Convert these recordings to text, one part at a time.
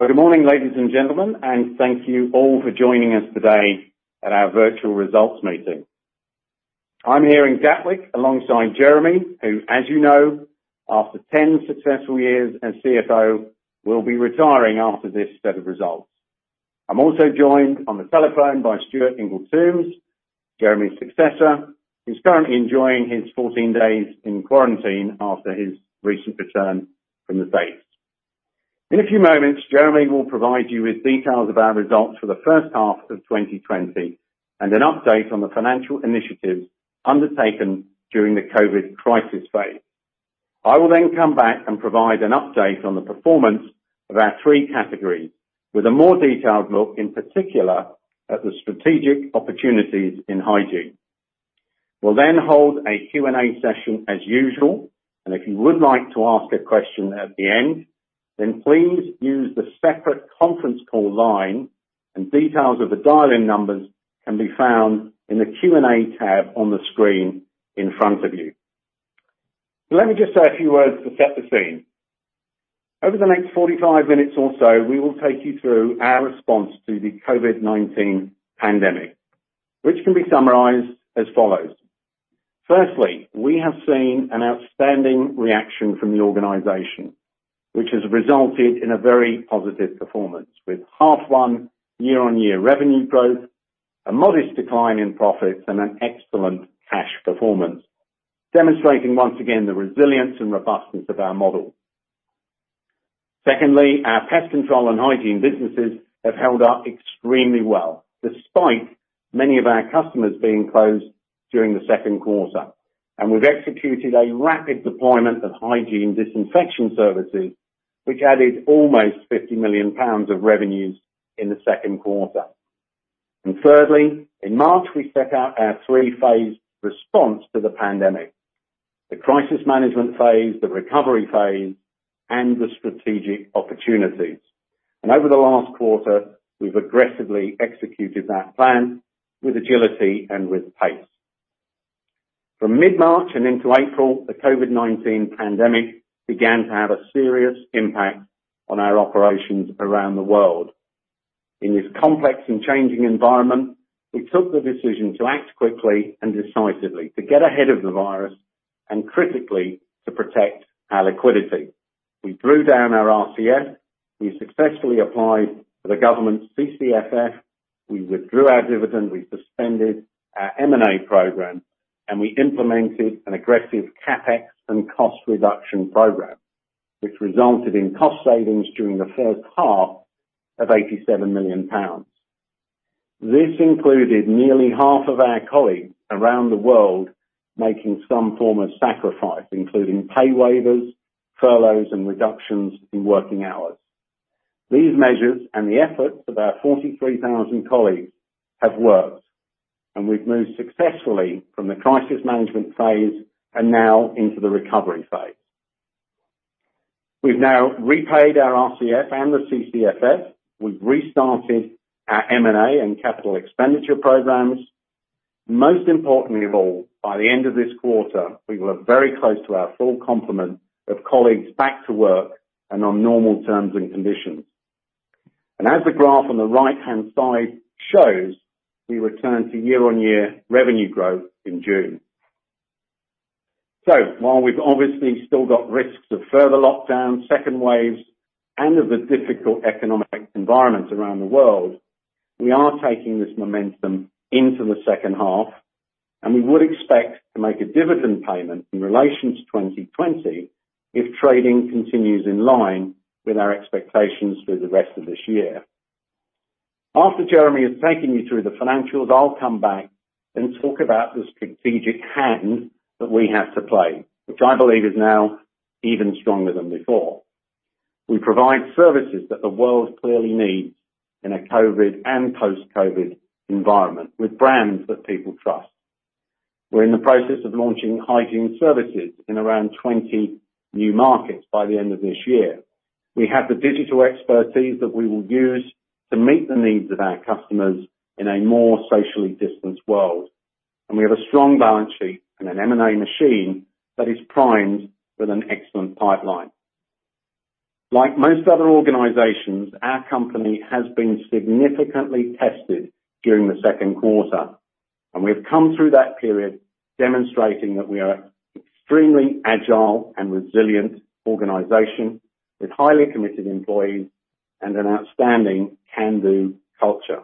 Good morning, ladies and gentlemen, thank you all for joining us today at our virtual results meeting. I'm here in Gatwick alongside Jeremy, who, as you know, after 10 successful years as CFO, will be retiring after this set of results. I'm also joined on the telephone by Stuart Ingall-Tombs, Jeremy's successor, who's currently enjoying his 14 days in quarantine after his recent return from the U.S. In a few moments, Jeremy will provide you with details of our results for the first half of 2020, and an update on the financial initiatives undertaken during the COVID crisis phase. I will come back and provide an update on the performance of our three categories, with a more detailed look, in particular, at the strategic opportunities in hygiene. We'll then hold a Q&A session as usual, and if you would like to ask a question at the end, then please use the separate conference call line, and details of the dial-in numbers can be found in the Q&A tab on the screen in front of you. Let me just say a few words to set the scene. Over the next 45 minutes or so, we will take you through our response to the COVID-19 pandemic, which can be summarized as follows. Firstly, we have seen an outstanding reaction from the organization, which has resulted in a very positive performance, with half one year-on-year revenue growth, a modest decline in profits, and an excellent cash performance, demonstrating once again the resilience and robustness of our model. Our Pest Control and hygiene businesses have held up extremely well, despite many of our customers being closed during the second quarter. We've executed a rapid deployment of hygiene disinfection services, which added almost 50 million pounds of revenues in the second quarter. In March, we set out our three-phased response to the pandemic, the crisis management phase, the recovery phase, and the strategic opportunities. Over the last quarter, we've aggressively executed that plan with agility and with pace. From mid-March and into April, the COVID-19 pandemic began to have a serious impact on our operations around the world. In this complex and changing environment, we took the decision to act quickly and decisively to get ahead of the virus and critically, to protect our liquidity. We drew down our RCF. We successfully applied for the government's CCFF. We withdrew our dividend. We suspended our M&A program. We implemented an aggressive CapEx and cost reduction program, which resulted in cost savings during the first half of 87 million pounds. This included nearly half of our colleagues around the world making some form of sacrifice, including pay waivers, furloughs, and reductions in working hours. These measures and the efforts of our 43,000 colleagues have worked. We've moved successfully from the crisis management phase and now into the recovery phase. We've now repaid our RCF and the CCFF. We've restarted our M&A and capital expenditure programs. Most importantly of all, by the end of this quarter, we were very close to our full complement of colleagues back to work and on normal terms and conditions. As the graph on the right-hand side shows, we returned to year-on-year revenue growth in June. While we've obviously still got risks of further lockdown, second waves, and of the difficult economic environment around the world, we are taking this momentum into the second half, and we would expect to make a dividend payment in relation to 2020 if trading continues in line with our expectations for the rest of this year. After Jeremy has taken you through the financials, I'll come back and talk about the strategic hand that we have to play, which I believe is now even stronger than before. We provide services that the world clearly needs in a COVID-19 and post-COVID-19 environment with brands that people trust. We're in the process of launching hygiene services in around 20 new markets by the end of this year. We have the digital expertise that we will use to meet the needs of our customers in a more socially distanced world. We have a strong balance sheet and an M&A machine that is primed with an excellent pipeline. Like most other organizations, our company has been significantly tested during the second quarter, and we've come through that period demonstrating that we are extremely agile and resilient organization with highly committed employees and an outstanding can-do culture.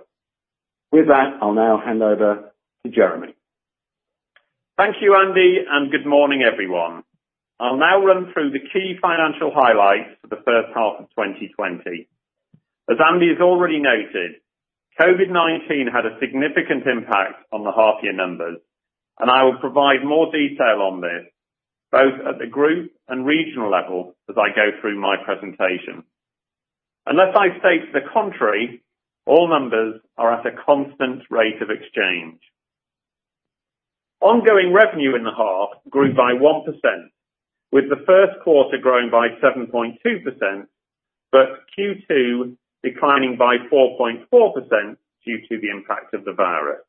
With that, I'll now hand over to Jeremy. Thank you, Andy, and good morning, everyone. I'll now run through the key financial highlights for the first half of 2020. As Andy has already noted, COVID-19 had a significant impact on the half year numbers, and I will provide more detail on this, both at the group and regional level as I go through my presentation. Unless I state the contrary, all numbers are at a constant rate of exchange. Ongoing revenue in the half grew by 1%, with the first quarter growing by 7.2%, but Q2 declining by 4.4% due to the impact of the virus.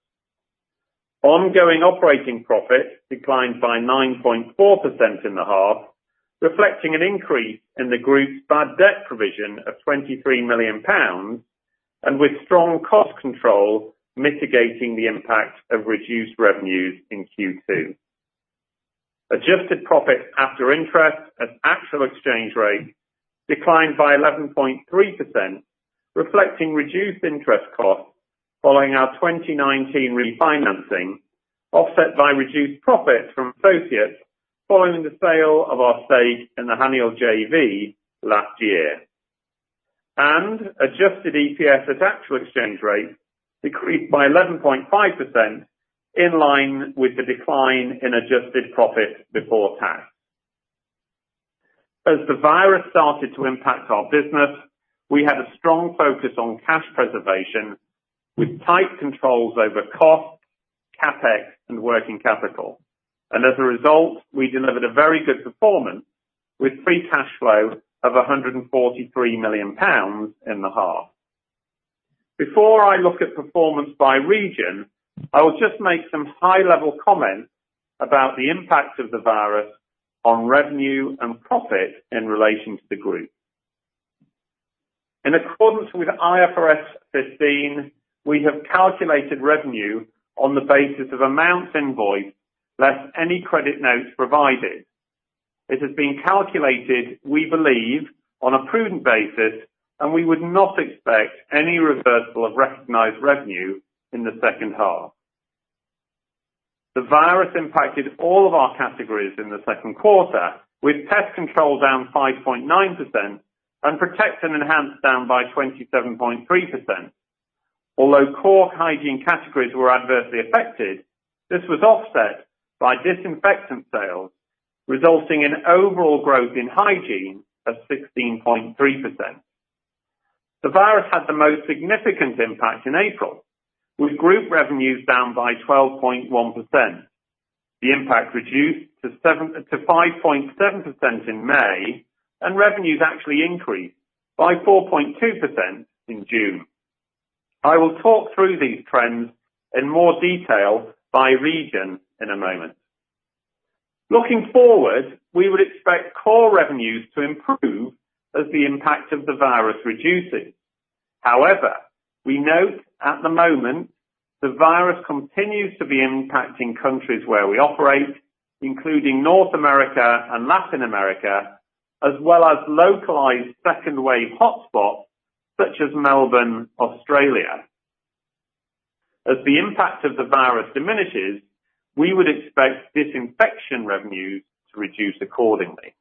Ongoing operating profits declined by 9.4% in the half, reflecting an increase in the group's bad debt provision of 23 million pounds, and with strong cost control mitigating the impact of reduced revenues in Q2. Adjusted profits after interest at actual exchange rate declined by 11.3%, reflecting reduced interest costs following our 2019 refinancing, offset by reduced profits from associates following the sale of our stake in the Haniel JV last year. Adjusted EPS at actual exchange rate decreased by 11.5%, in line with the decline in adjusted profit before tax. As the virus started to impact our business, we had a strong focus on cash preservation, with tight controls over costs, CapEx, and working capital. As a result, we delivered a very good performance, with free cash flow of 143 million pounds in the half. Before I look at performance by region, I will just make some high-level comments about the impact of the virus on revenue and profit in relation to the group. In accordance with IFRS 15, we have calculated revenue on the basis of amounts invoiced, less any credit notes provided. It has been calculated, we believe, on a prudent basis, and we would not expect any reversal of recognized revenue in the second half. The virus impacted all of our categories in the second quarter, with Pest Control down 5.9% and Protect and Enhance down by 27.3%. Although core hygiene categories were adversely affected, this was offset by disinfectant sales, resulting in overall growth in hygiene of 16.3%. The virus had the most significant impact in April, with group revenues down by 12.1%. The impact reduced to 5.7% in May, and revenues actually increased by 4.2% in June. I will talk through these trends in more detail by region in a moment. Looking forward, we would expect core revenues to improve as the impact of the virus reduces. However, we note at the moment, the virus continues to be impacting countries where we operate, including North America and Latin America, as well as localized second-wave hotspots, such as Melbourne, Australia. As the impact of the virus diminishes, we would expect disinfection revenues to reduce accordingly.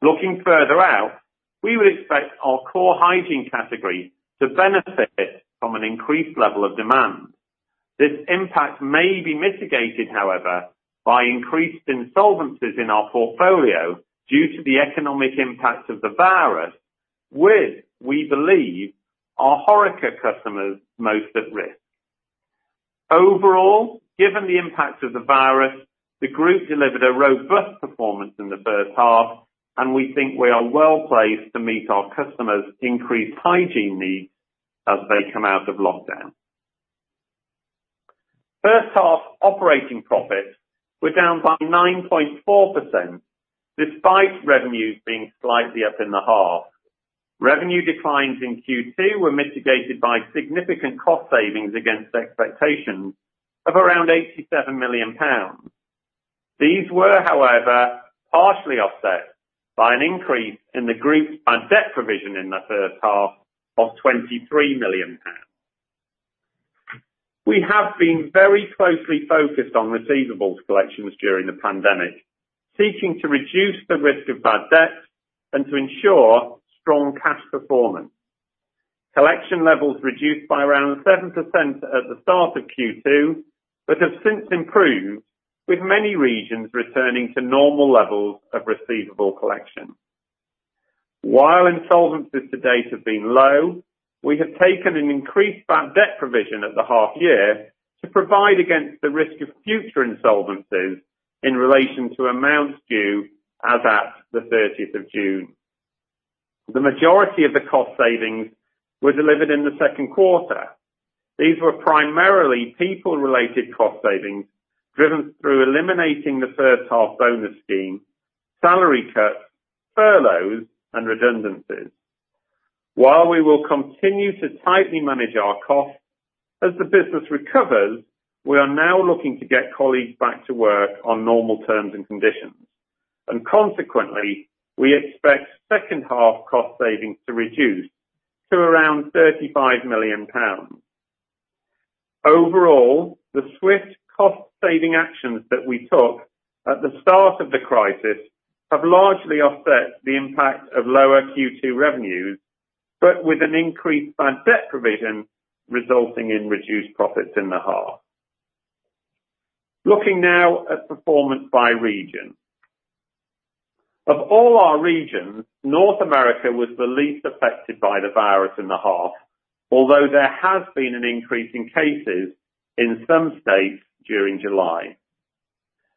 Looking further out, we would expect our core hygiene category to benefit from an increased level of demand. This impact may be mitigated, however, by increased insolvencies in our portfolio due to the economic impact of the virus with, we believe, our HoReCa customers most at risk. Overall, given the impact of the virus, the group delivered a robust performance in the first half, and we think we are well-placed to meet our customers' increased hygiene needs as they come out of lockdown. First half operating profits were down by 9.4%, despite revenues being slightly up in the half. Revenue declines in Q2 were mitigated by significant cost savings against expectations of around 87 million pounds. These were, however, partially offset by an increase in the group's bad debt provision in the first half of 23 million pounds. We have been very closely focused on receivables collections during the pandemic, seeking to reduce the risk of bad debts and to ensure strong cash performance. Collection levels reduced by around 7% at the start of Q2, but have since improved, with many regions returning to normal levels of receivable collection. While insolvencies to date have been low, we have taken an increased bad debt provision at the half year to provide against the risk of future insolvencies in relation to amounts due as at the 30th of June. The majority of the cost savings were delivered in the second quarter. These were primarily people-related cost savings driven through eliminating the first half bonus scheme, salary cuts, furloughs, and redundancies. While we will continue to tightly manage our costs, as the business recovers, we are now looking to get colleagues back to work on normal terms and conditions. Consequently, we expect second half cost savings to reduce to around £35 million. Overall, the swift cost-saving actions that we took at the start of the crisis have largely offset the impact of lower Q2 revenues, with an increased bad debt provision resulting in reduced profits in the half. Looking now at performance by region. Of all our regions, North America was the least affected by the virus in the half, although there has been an increase in cases in some states during July.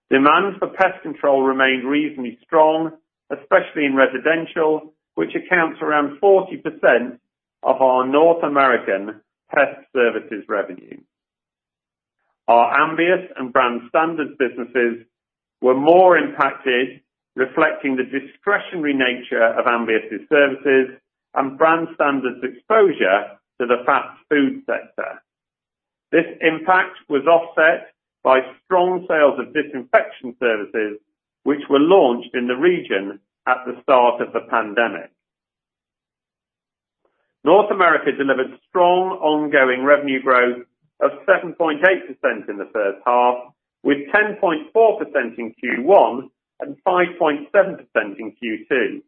Demand for pest control remained reasonably strong, especially in residential, which accounts around 40% of our North American Pest Control revenue. Our Ambius and Brand Standards businesses were more impacted, reflecting the discretionary nature of Ambius' services and Brand Standards exposure to the fast food sector. This impact was offset by strong sales of disinfection services, which were launched in the region at the start of the pandemic. North America delivered strong ongoing revenue growth of 7.8% in the first half, with 10.4% in Q1 and 5.7% in Q2.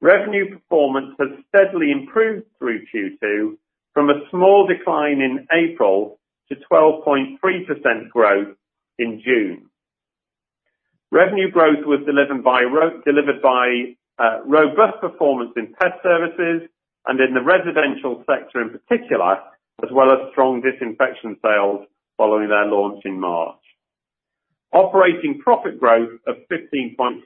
Revenue performance has steadily improved through Q2 from a small decline in April to 12.3% growth in June. Revenue growth was delivered by robust performance in Pest Services and in the residential sector in particular, as well as strong disinfection sales following their launch in March. Operating profit growth of 15.7%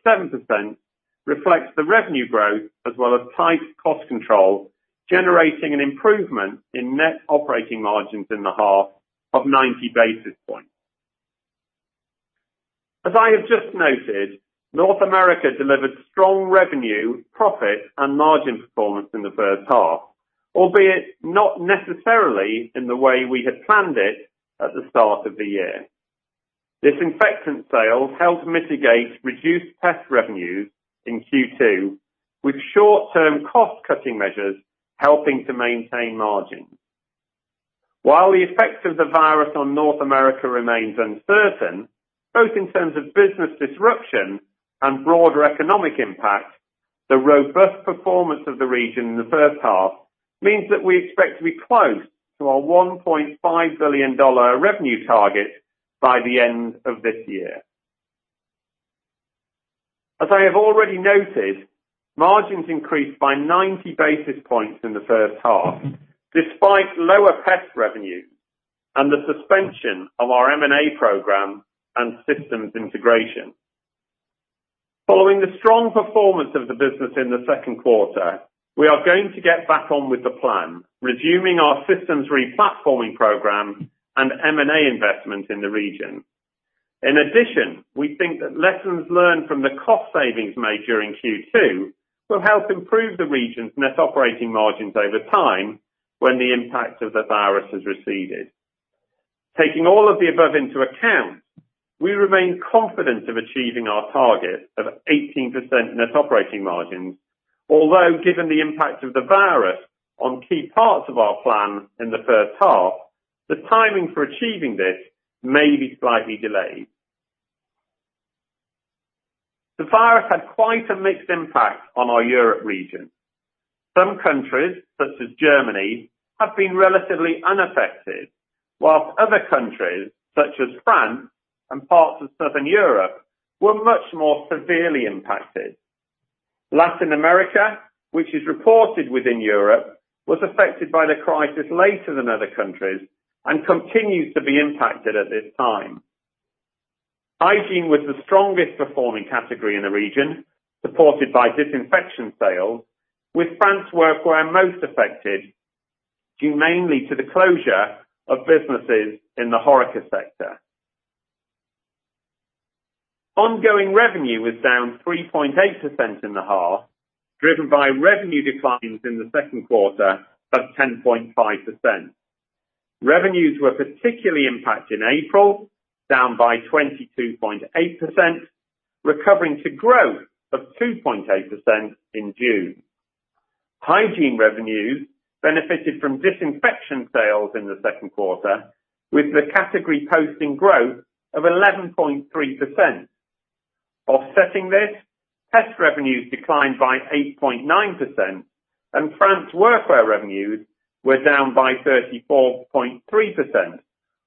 reflects the revenue growth as well as tight cost control, generating an improvement in net operating margins in the half of 90 basis points. As I have just noted, North America delivered strong revenue, profit, and margin performance in the first half, albeit not necessarily in the way we had planned it at the start of the year. Disinfectant sales helped mitigate reduced pest revenues in Q2, with short-term cost-cutting measures helping to maintain margins. While the effects of the virus on North America remains uncertain, both in terms of business disruption and broader economic impact, the robust performance of the region in the first half means that we expect to be close to our $1.5 billion revenue target by the end of this year. As I have already noted, margins increased by 90 basis points in the first half, despite lower pest revenue and the suspension of our M&A program and systems integration. Following the strong performance of the business in the second quarter, we are going to get back on with the plan, resuming our systems re-platforming program and M&A investment in the region. In addition, we think that lessons learned from the cost savings made during Q2 will help improve the region's net operating margins over time when the impact of the virus has receded. Taking all of the above into account, we remain confident of achieving our target of 18% net operating margins, although given the impact of the virus on key parts of our plan in the first half, the timing for achieving this may be slightly delayed. The virus had quite a mixed impact on our Europe region. Some countries, such as Germany, have been relatively unaffected, while other countries, such as France and parts of Southern Europe, were much more severely impacted. Latin America, which is reported within Europe, was affected by the crisis later than other countries and continues to be impacted at this time. Hygiene was the strongest performing category in the region, supported by disinfection sales, with France workwear most affected, due mainly to the closure of businesses in the HoReCa sector. Ongoing revenue was down 3.8% in the half, driven by revenue declines in the second quarter of 10.5%. Revenues were particularly impacted in April, down by 22.8%, recovering to growth of 2.8% in June. Hygiene revenues benefited from disinfection sales in the second quarter, with the category posting growth of 11.3%. Offsetting this, pest revenues declined by 8.9%, and France workwear revenues were down by 34.3%,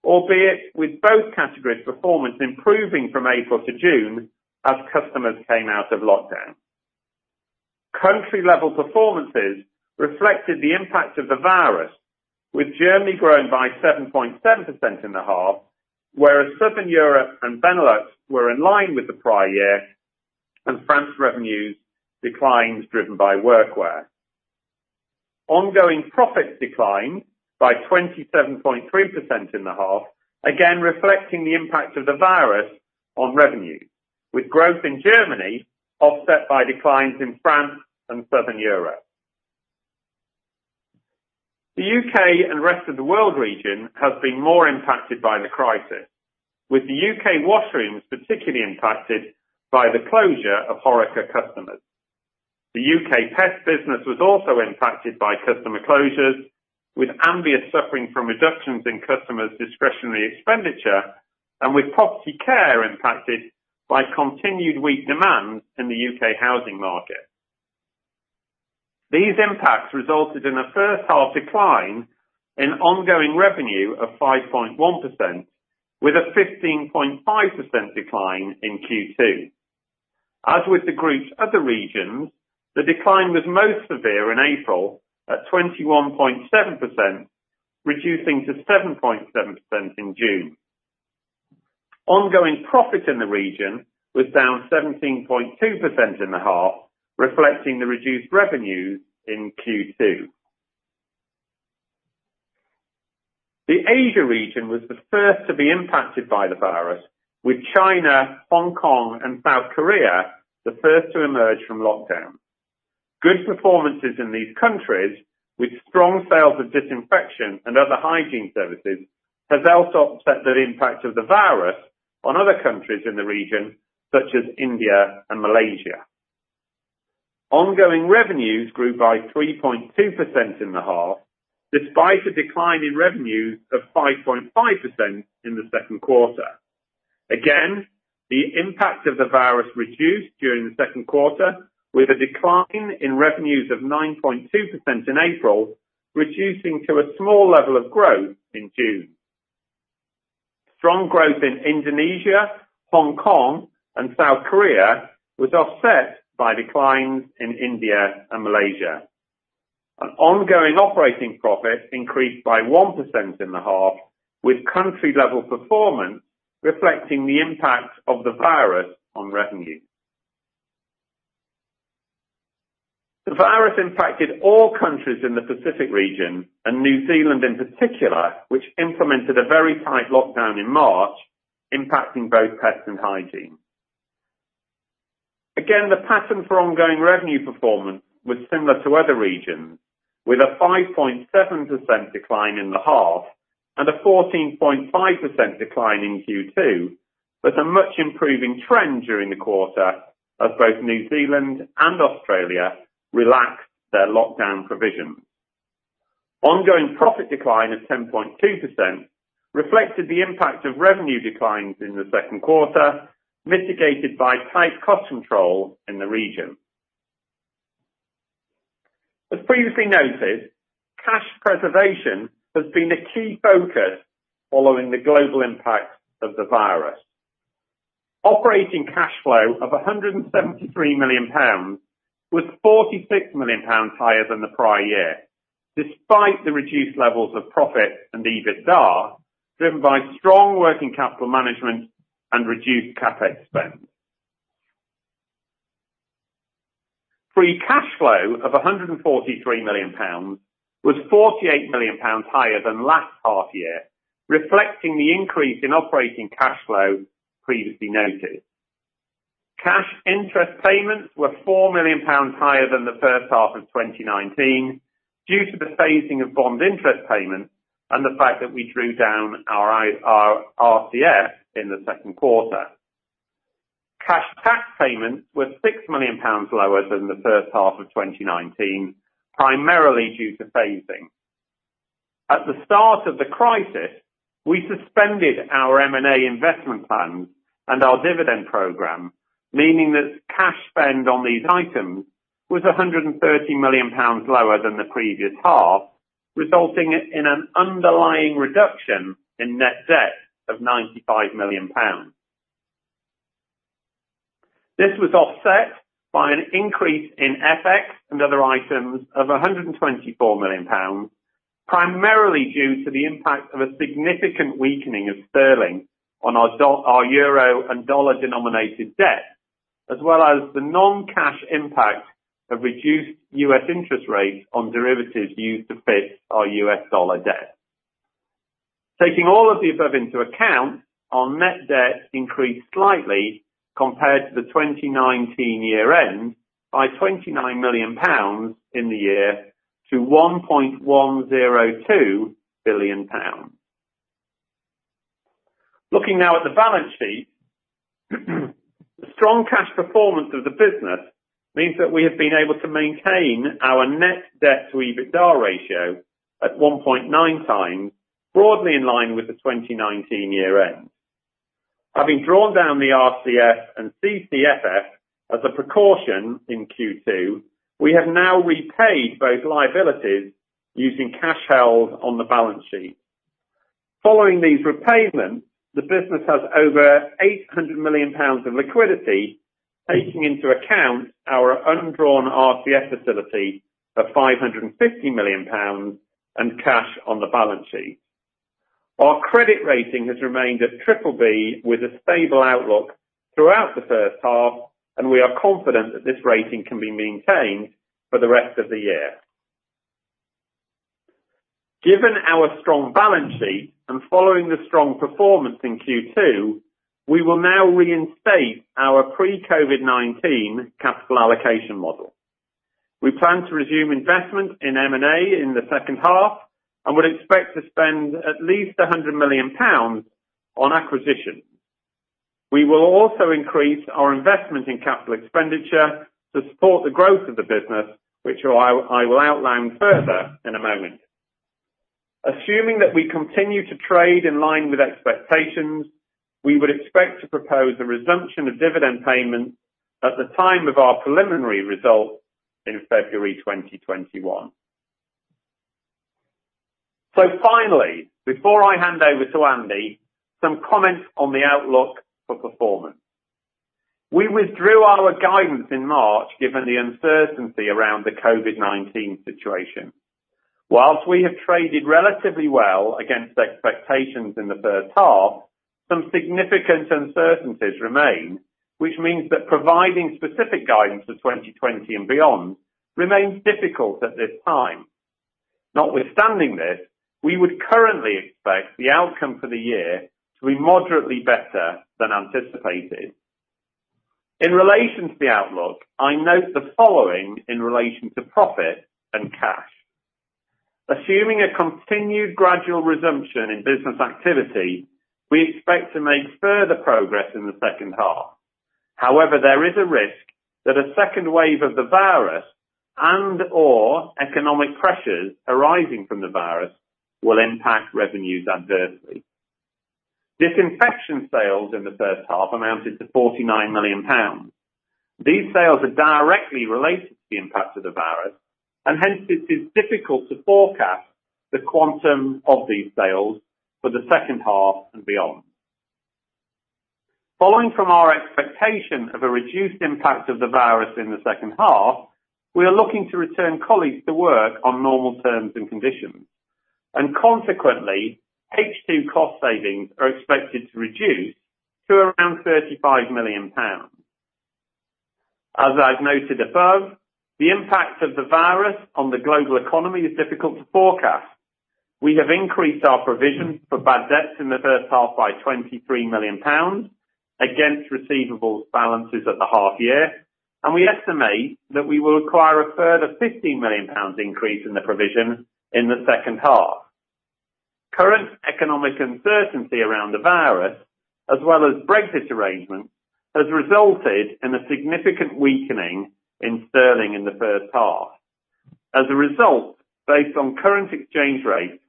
albeit with both categories performance improving from April to June as customers came out of lockdown. Country level performances reflected the impact of the virus, with Germany growing by 7.7% in the half, whereas Southern Europe and Benelux were in line with the prior year, and France revenues declines driven by workwear. Ongoing profits declined by 27.3% in the half, again reflecting the impact of the virus on revenue, with growth in Germany offset by declines in France and Southern Europe. The U.K. and rest of the world region has been more impacted by the crisis, with the U.K. washrooms particularly impacted by the closure of HoReCa customers. The U.K. pest business was also impacted by customer closures, with Ambius suffering from reductions in customers' discretionary expenditure and with Property Care impacted by continued weak demand in the U.K. housing market. These impacts resulted in a first-half decline in ongoing revenue of 5.1%, with a 15.5% decline in Q2. As with the group's other regions, the decline was most severe in April at 21.7%, reducing to 7.7% in June. Ongoing profit in the region was down 17.2% in the half, reflecting the reduced revenues in Q2. The Asia region was the first to be impacted by the virus, with China, Hong Kong, and South Korea the first to emerge from lockdown. Good performances in these countries, with strong sales of disinfection and other hygiene services, has helped offset the impact of the virus on other countries in the region such as India and Malaysia. Ongoing revenues grew by 3.2% in the half, despite a decline in revenues of 5.5% in the second quarter. Again, the impact of the virus reduced during the second quarter with a decline in revenues of 9.2% in April, reducing to a small level of growth in June. Strong growth in Indonesia, Hong Kong, and South Korea was offset by declines in India and Malaysia. Ongoing operating profit increased by 1% in the half, with country level performance reflecting the impact of the virus on revenues. The virus impacted all countries in the Pacific region, and New Zealand in particular, which implemented a very tight lockdown in March, impacting both pest and hygiene. Again, the pattern for ongoing revenue performance was similar to other regions, with a 5.7% decline in the half and a 14.5% decline in Q2, with a much improving trend during the quarter as both New Zealand and Australia relaxed their lockdown provisions. Ongoing profit decline of 10.2% reflected the impact of revenue declines in the second quarter, mitigated by tight cost control in the region. As previously noted, cash preservation has been a key focus following the global impact of the virus. Operating cash flow of 173 million pounds was 46 million pounds higher than the prior year, despite the reduced levels of profit and EBITDA, driven by strong working capital management and reduced CapEx spend. Free cash flow of 143 million pounds was 48 million pounds higher than last half year, reflecting the increase in operating cash flow previously noted. Cash interest payments were 4 million pounds higher than the first half of 2019, due to the phasing of bond interest payments and the fact that we drew down our RCF in the second quarter. Cash tax payments were 6 million pounds lower than the first half of 2019, primarily due to phasing. At the start of the crisis, we suspended our M&A investment plans and our dividend program, meaning that cash spend on these items was 130 million pounds lower than the previous half, resulting in an underlying reduction in net debt of 95 million pounds. This was offset by an increase in FX and other items of 124 million pounds, primarily due to the impact of a significant weakening of sterling on our euro and dollar-denominated debt, as well as the non-cash impact of reduced U.S. interest rates on derivatives used to fix our U.S. dollar debt. Taking all of the above into account, our net debt increased slightly compared to the 2019 year-end by 29 million pounds in the year to 1.102 billion pounds. Looking now at the balance sheet, the strong cash performance of the business means that we have been able to maintain our net debt to EBITDA ratio at 1.9 times, broadly in line with the 2019 year-end. Having drawn down the RCF and CCFF as a precaution in Q2, we have now repaid both liabilities using cash held on the balance sheet. Following these repayments, the business has over 800 million pounds of liquidity, taking into account our undrawn RCF facility of 550 million pounds and cash on the balance sheet. Our credit rating has remained at triple B, with a stable outlook throughout the first half, and we are confident that this rating can be maintained for the rest of the year. Given our strong balance sheet and following the strong performance in Q2, we will now reinstate our pre-COVID-19 capital allocation model. We plan to resume investment in M&A in the second half, and would expect to spend at least 100 million pounds on acquisition. We will also increase our investment in CapEx to support the growth of the business, which I will outline further in a moment. Assuming that we continue to trade in line with expectations, we would expect to propose a resumption of dividend payments at the time of our preliminary result in February 2021. Finally, before I hand over to Andy, some comments on the outlook for performance. We withdrew our guidance in March given the uncertainty around the COVID-19 situation. Whilst we have traded relatively well against expectations in the first half, some significant uncertainties remain, which means that providing specific guidance for 2020 and beyond remains difficult at this time. Notwithstanding this, we would currently expect the outcome for the year to be moderately better than anticipated. In relation to the outlook, I note the following in relation to profit and cash. Assuming a continued gradual resumption in business activity, we expect to make further progress in the second half. However, there is a risk that a second wave of the virus and/or economic pressures arising from the virus will impact revenues adversely. Disinfection sales in the first half amounted to 49 million pounds. These sales are directly related to the impact of the virus, and hence it is difficult to forecast the quantum of these sales for the second half and beyond. Following from our expectation of a reduced impact of the virus in the second half, we are looking to return colleagues to work on normal terms and conditions, and consequently, H2 cost savings are expected to reduce to around 35 million pounds. As I've noted above, the impact of the virus on the global economy is difficult to forecast. We have increased our provisions for bad debts in the first half by 23 million pounds against receivables balances at the half year, and we estimate that we will acquire a further 15 million pounds increase in the provision in the second half. Current economic uncertainty around the virus, as well as Brexit arrangements, has resulted in a significant weakening in sterling in the first half. As a result, based on current exchange rates,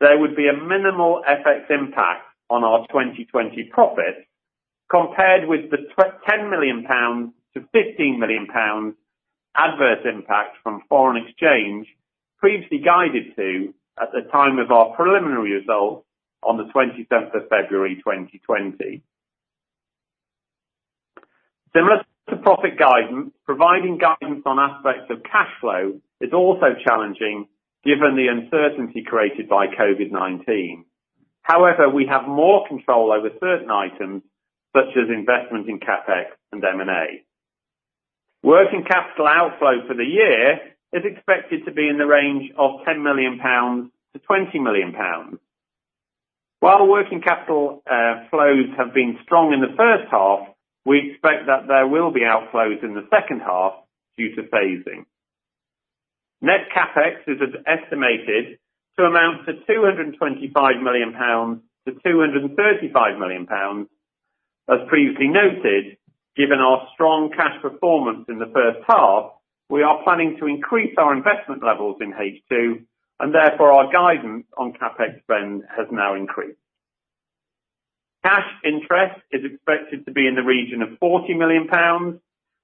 there would be a minimal FX impact on our 2020 profit compared with the 10 million-15 million pounds adverse impact from foreign exchange previously guided to at the time of our preliminary results on the 27th of February 2020. Similar to profit guidance, providing guidance on aspects of cash flow is also challenging given the uncertainty created by COVID-19. However, we have more control over certain items such as investment in CapEx and M&A. Working capital outflow for the year is expected to be in the range of 10 million-20 million pounds. While working capital flows have been strong in the first half, we expect that there will be outflows in the second half due to phasing. Net CapEx is estimated to amount to 225 million-235 million pounds. As previously noted, given our strong cash performance in the first half, we are planning to increase our investment levels in H2, and therefore our guidance on CapEx spend has now increased. Cash interest is expected to be in the region of 40 million pounds.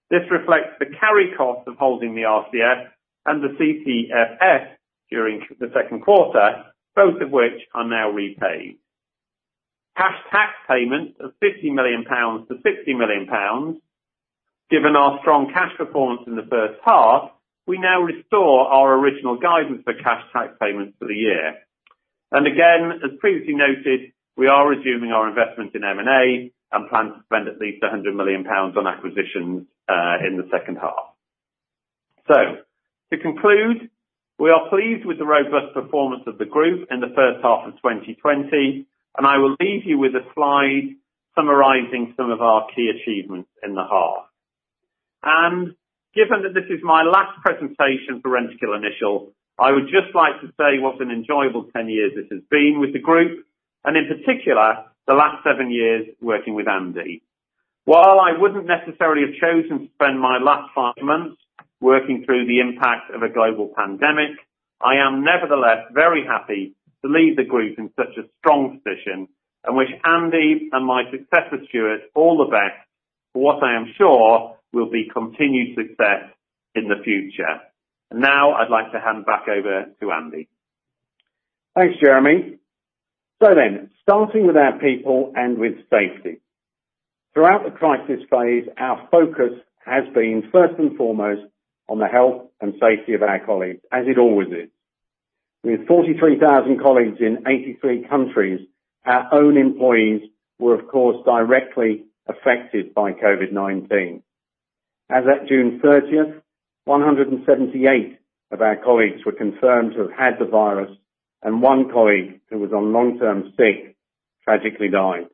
This reflects the carry cost of holding the RCF and the CCFF during the second quarter, both of which are now repaid. Cash tax payments of 50 million-60 million pounds. Given our strong cash performance in the first half, we now restore our original guidance for cash tax payments for the year. As previously noted, we are resuming our investment in M&A and plan to spend at least 100 million pounds on acquisitions in the second half. To conclude, we are pleased with the robust performance of the group in the first half of 2020, and I will leave you with a slide summarizing some of our key achievements in the half. Given that this is my last presentation for Rentokil Initial, I would just like to say what an enjoyable 10 years this has been with the group, and in particular, the last seven years working with Andy. While I wouldn't necessarily have chosen to spend my last five months working through the impact of a global pandemic, I am nevertheless very happy to leave the group in such a strong position and wish Andy and my successor, Stuart, all the best for what I am sure will be continued success in the future. Now I'd like to hand back over to Andy. Thanks, Jeremy. Starting with our people and with safety. Throughout the crisis phase, our focus has been first and foremost on the health and safety of our colleagues, as it always is. With 43,000 colleagues in 83 countries, our own employees were, of course, directly affected by COVID-19. As at June 30th, 178 of our colleagues were confirmed to have had the virus and one colleague who was on long-term sick tragically died.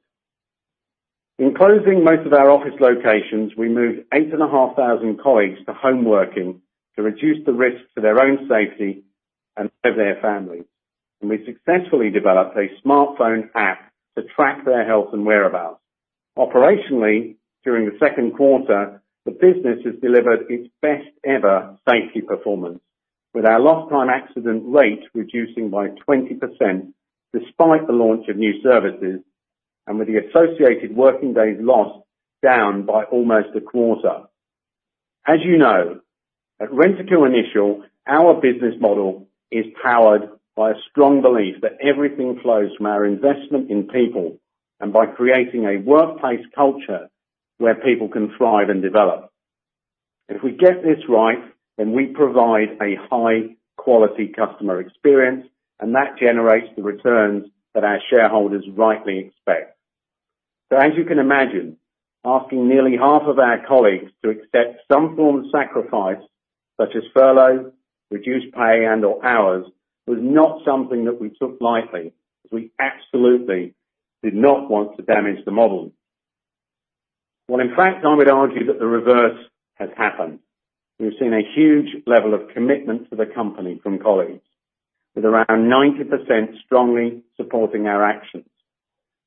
In closing most of our office locations, we moved 8,500 colleagues to home working to reduce the risk to their own safety and of their families. We successfully developed a smartphone app to track their health and whereabouts. Operationally, during the second quarter, the business has delivered its best ever safety performance. With our lost time accident rate reducing by 20%, despite the launch of new services, and with the associated working days lost down by almost a quarter. As you know, at Rentokil Initial, our business model is powered by a strong belief that everything flows from our investment in people and by creating a workplace culture where people can thrive and develop. If we get this right, we provide a high-quality customer experience, and that generates the returns that our shareholders rightly expect. As you can imagine, asking nearly half of our colleagues to accept some form of sacrifice, such as furlough, reduced pay, and/or hours, was not something that we took lightly, as we absolutely did not want to damage the model. In fact, I would argue that the reverse has happened. We've seen a huge level of commitment to the company from colleagues, with around 90% strongly supporting our actions.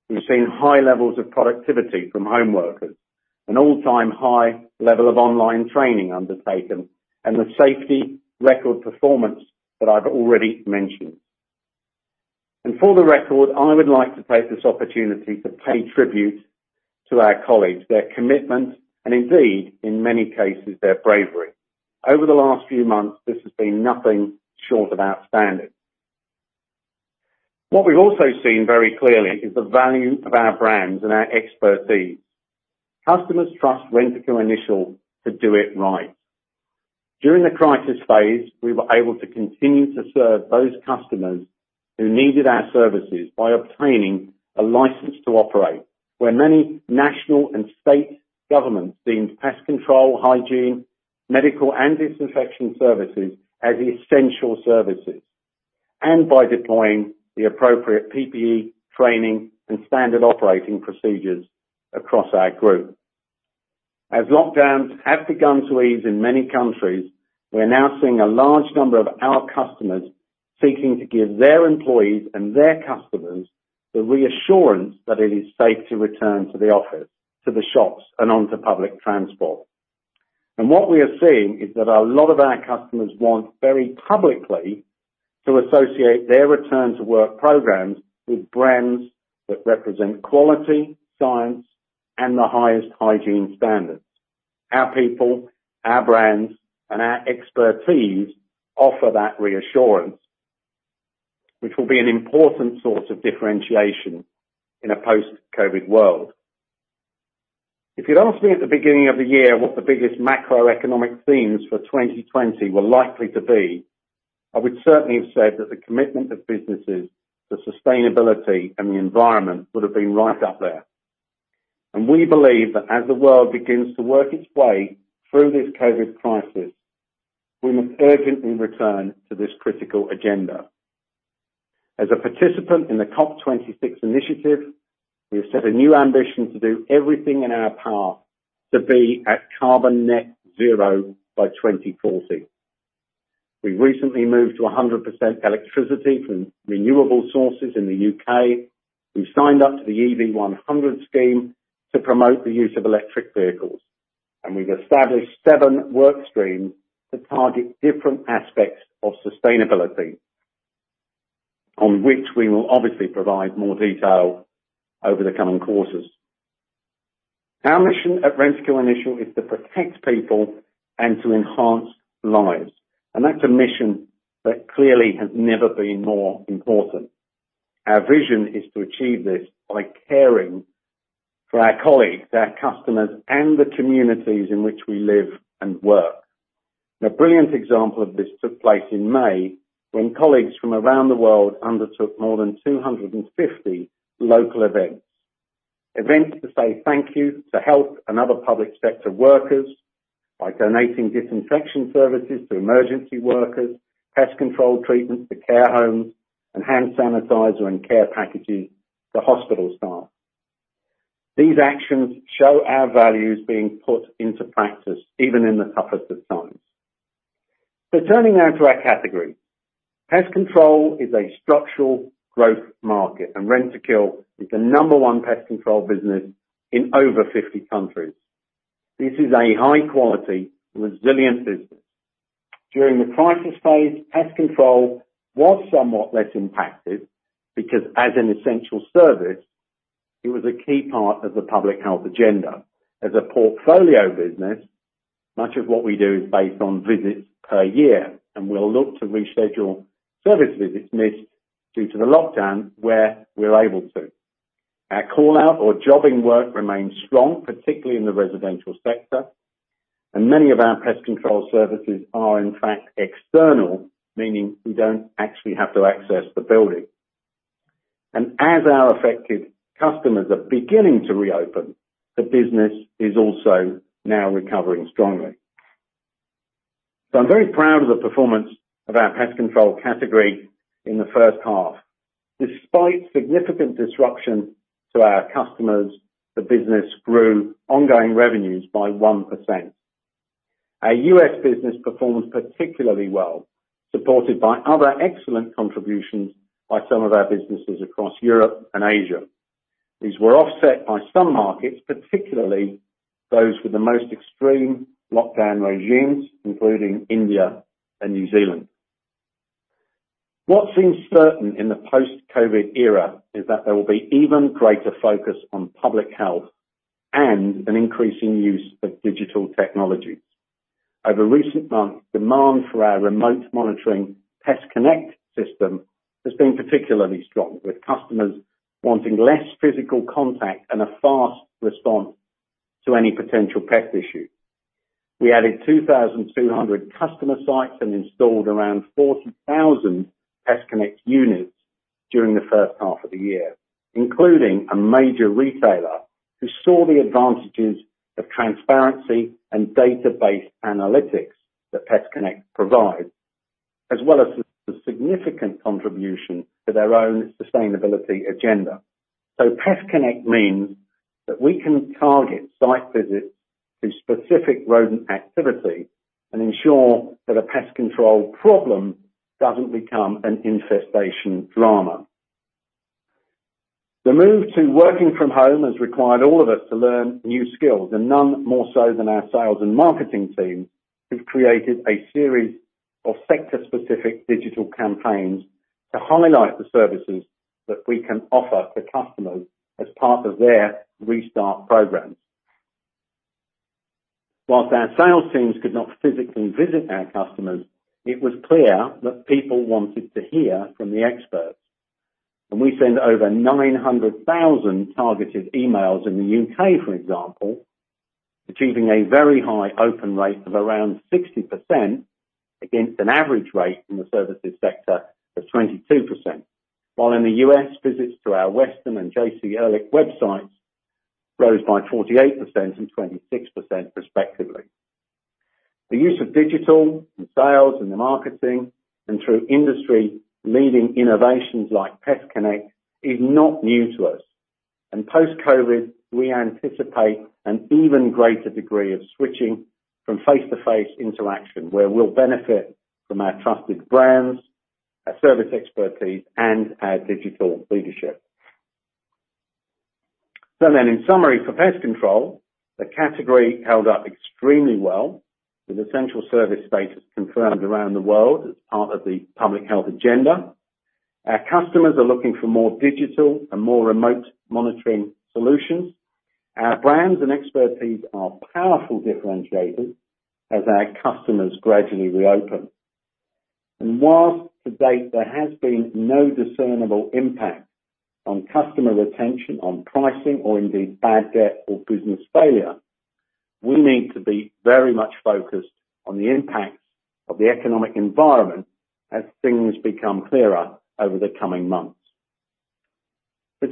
We've seen high levels of productivity from home workers, an all-time high level of online training undertaken, and the safety record performance that I've already mentioned. For the record, I would like to take this opportunity to pay tribute to our colleagues, their commitment, and indeed, in many cases, their bravery. Over the last few months, this has been nothing short of outstanding. What we've also seen very clearly is the value of our brands and our expertise. Customers trust Rentokil Initial to do it right. During the crisis phase, we were able to continue to serve those customers who needed our services by obtaining a license to operate, where many national and state governments deemed pest control, hygiene, medical, and disinfection services as essential services, and by deploying the appropriate PPE training and standard operating procedures across our group. As lockdowns have begun to ease in many countries, we are now seeing a large number of our customers seeking to give their employees and their customers the reassurance that it is safe to return to the office, to the shops, and onto public transport. What we are seeing is that a lot of our customers want very publicly to associate their return-to-work programs with brands that represent quality, science, and the highest hygiene standards. Our people, our brands, and our expertise offer that reassurance, which will be an important source of differentiation in a post-COVID world. If you'd asked me at the beginning of the year what the biggest macroeconomic themes for 2020 were likely to be, I would certainly have said that the commitment of businesses to sustainability and the environment would have been right up there. We believe that as the world begins to work its way through this COVID crisis, we must urgently return to this critical agenda. As a participant in the COP26 initiative, we have set a new ambition to do everything in our power to be at carbon net zero by 2040. We recently moved to 100% electricity from renewable sources in the U.K. We signed up to the EV100 scheme to promote the use of electric vehicles, and we've established seven work streams to target different aspects of sustainability, on which we will obviously provide more detail over the coming quarters. Our mission at Rentokil Initial is to protect people and to enhance lives, and that's a mission that clearly has never been more important. Our vision is to achieve this by caring for our colleagues, our customers, and the communities in which we live and work. A brilliant example of this took place in May when colleagues from around the world undertook more than 250 local events. Events to say thank you to health and other public sector workers by donating disinfection services to emergency workers, pest control treatments to care homes, and hand sanitizer and care packages to hospital staff. These actions show our values being put into practice, even in the toughest of times. Turning now to our category. Pest control is a structural growth market, and Rentokil is the number one Pest Control business in over 50 countries. This is a high-quality, resilient business. During the crisis phase, Pest Control was somewhat less impacted because as an essential service, it was a key part of the public health agenda. As a portfolio business, much of what we do is based on visits per year, and we'll look to reschedule service visits missed due to the lockdown where we're able to. Our call-out or jobbing work remains strong, particularly in the residential sector, and many of our Pest Control services are in fact external, meaning we don't actually have to access the building. As our affected customers are beginning to reopen, the business is also now recovering strongly. I'm very proud of the performance of our pest control category in the first half. Despite significant disruption to our customers, the business grew ongoing revenues by 1%. Our U.S. business performed particularly well, supported by other excellent contributions by some of our businesses across Europe and Asia. These were offset by some markets, particularly those with the most extreme lockdown regimes, including India and New Zealand. What seems certain in the post-COVID era is that there will be even greater focus on public health and an increasing use of digital technologies. Over recent months, demand for our remote monitoring PestConnect system has been particularly strong, with customers wanting less physical contact and a fast response to any potential pest issue. We added 2,200 customer sites and installed around 40,000 PestConnect units during the first half of the year, including a major retailer who saw the advantages of transparency and database analytics that PestConnect provides, as well as the significant contribution to their own sustainability agenda. PestConnect means that we can target site visits to specific rodent activity and ensure that a pest control problem doesn't become an infestation drama. The move to working from home has required all of us to learn new skills, and none more so than our sales and marketing team, who've created a series of sector-specific digital campaigns to highlight the services that we can offer to customers as part of their restart programs. Whilst our sales teams could not physically visit our customers, it was clear that people wanted to hear from the experts. We sent over 900,000 targeted emails in the U.K., for example, achieving a very high open rate of around 60% against an average rate in the services sector of 22%, while in the U.S., visits to our Western and J.C. Ehrlich websites rose by 48% and 26% respectively. The use of digital in sales and the marketing, and through industry-leading innovations like PestConnect, is not new to us. In post-COVID-19, we anticipate an even greater degree of switching from face-to-face interaction, where we'll benefit from our trusted brands, our service expertise, and our digital leadership. In summary, for pest control, the category held up extremely well with essential service status confirmed around the world as part of the public health agenda. Our customers are looking for more digital and more remote monitoring solutions. Our brands and expertise are powerful differentiators as our customers gradually reopen. Whilst to date there has been no discernible impact on customer retention, on pricing, or indeed bad debt or business failure, we need to be very much focused on the impacts of the economic environment as things become clearer over the coming months.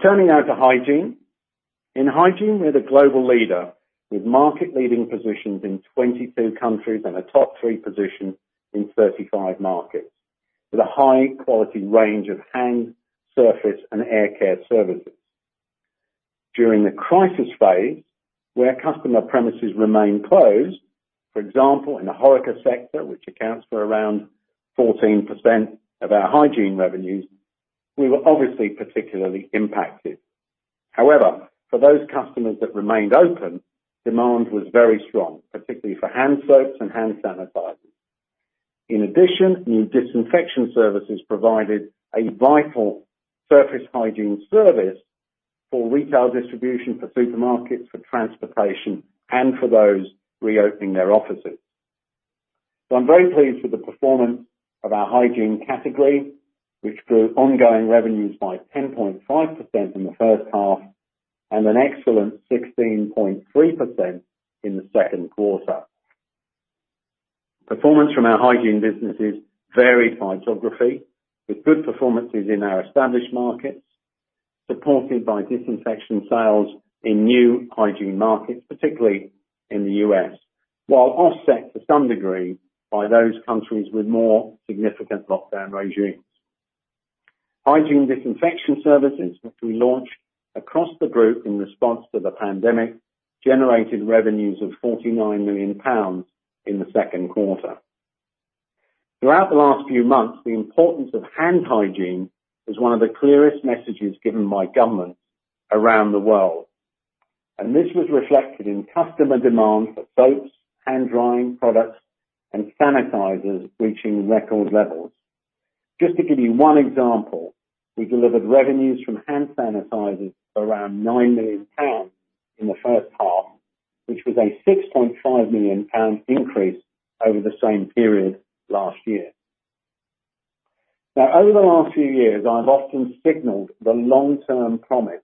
Turning now to hygiene. In hygiene, we're the global leader with market-leading positions in 22 countries and a top-three position in 35 markets, with a high-quality range of hand, surface, and air care services. During the crisis phase, where customer premises remain closed, for example, in the HoReCa sector, which accounts for around 14% of our hygiene revenues, we were obviously particularly impacted. However, for those customers that remained open, demand was very strong, particularly for hand soaps and hand sanitizers. In addition, new disinfection services provided a vital surface hygiene service for retail distribution, for supermarkets, for transportation, and for those reopening their offices. I'm very pleased with the performance of our hygiene category, which grew ongoing revenues by 10.5% in the first half and an excellent 16.3% in the second quarter. Performance from our hygiene businesses varied by geography, with good performances in our established markets, supported by disinfection sales in new hygiene markets, particularly in the U.S. While offset to some degree by those countries with more significant lockdown regimes. Hygiene disinfection services, which we launched across the group in response to the pandemic, generated revenues of 49 million pounds in the second quarter. Throughout the last few months, the importance of hand hygiene is one of the clearest messages given by governments around the world, and this was reflected in customer demand for soaps, hand drying products, and sanitizers reaching record levels. Just to give you one example, we delivered revenues from hand sanitizers of around 9 million pounds in the first half, which was a 6.5 million pound increase over the same period last year. Over the last few years, I've often signaled the long-term promise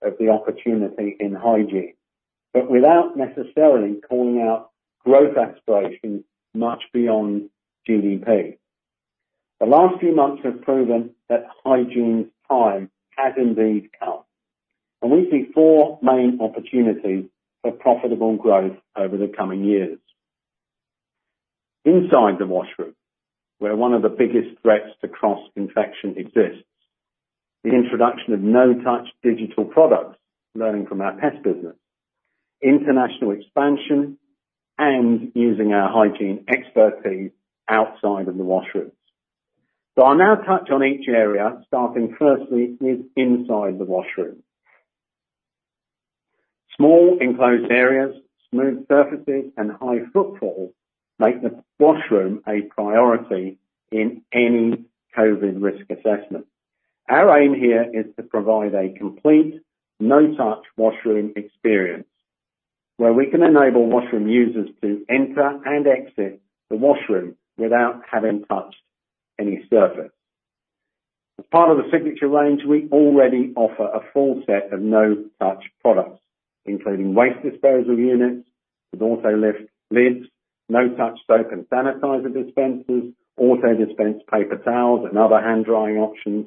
of the opportunity in hygiene, but without necessarily calling out growth aspirations much beyond GDP. The last few months have proven that hygiene's time has indeed come. We see four main opportunities for profitable growth over the coming years. Inside the washroom, where one of the biggest threats to cross-infection exists. The introduction of no-touch digital products, learning from our pest business. Using our hygiene expertise outside of the washrooms. I'll now touch on each area, starting firstly with inside the washroom. Small enclosed areas, smooth surfaces, and high footfall make the washroom a priority in any COVID-19 risk assessment. Our aim here is to provide a complete no-touch washroom experience, where we can enable washroom users to enter and exit the washroom without having touched any surface. As part of the Signature range, we already offer a full set of no-touch products, including waste disposal units with auto-lift lids, no-touch soap and sanitizer dispensers, auto-dispense paper towels, and other hand-drying options,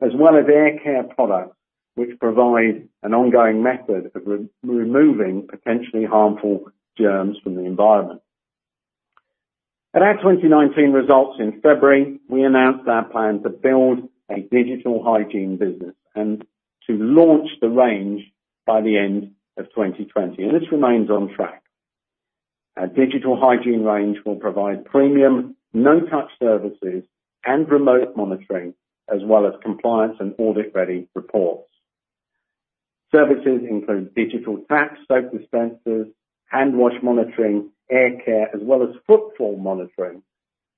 as well as air care products, which provide an ongoing method of removing potentially harmful germs from the environment. At our 2019 results in February, we announced our plan to build a digital hygiene business and to launch the range by the end of 2020. This remains on track. Our digital hygiene range will provide premium no-touch services and remote monitoring, as well as compliance and audit-ready reports. Services include digital tap soap dispensers, handwash monitoring, air care, as well as footfall monitoring,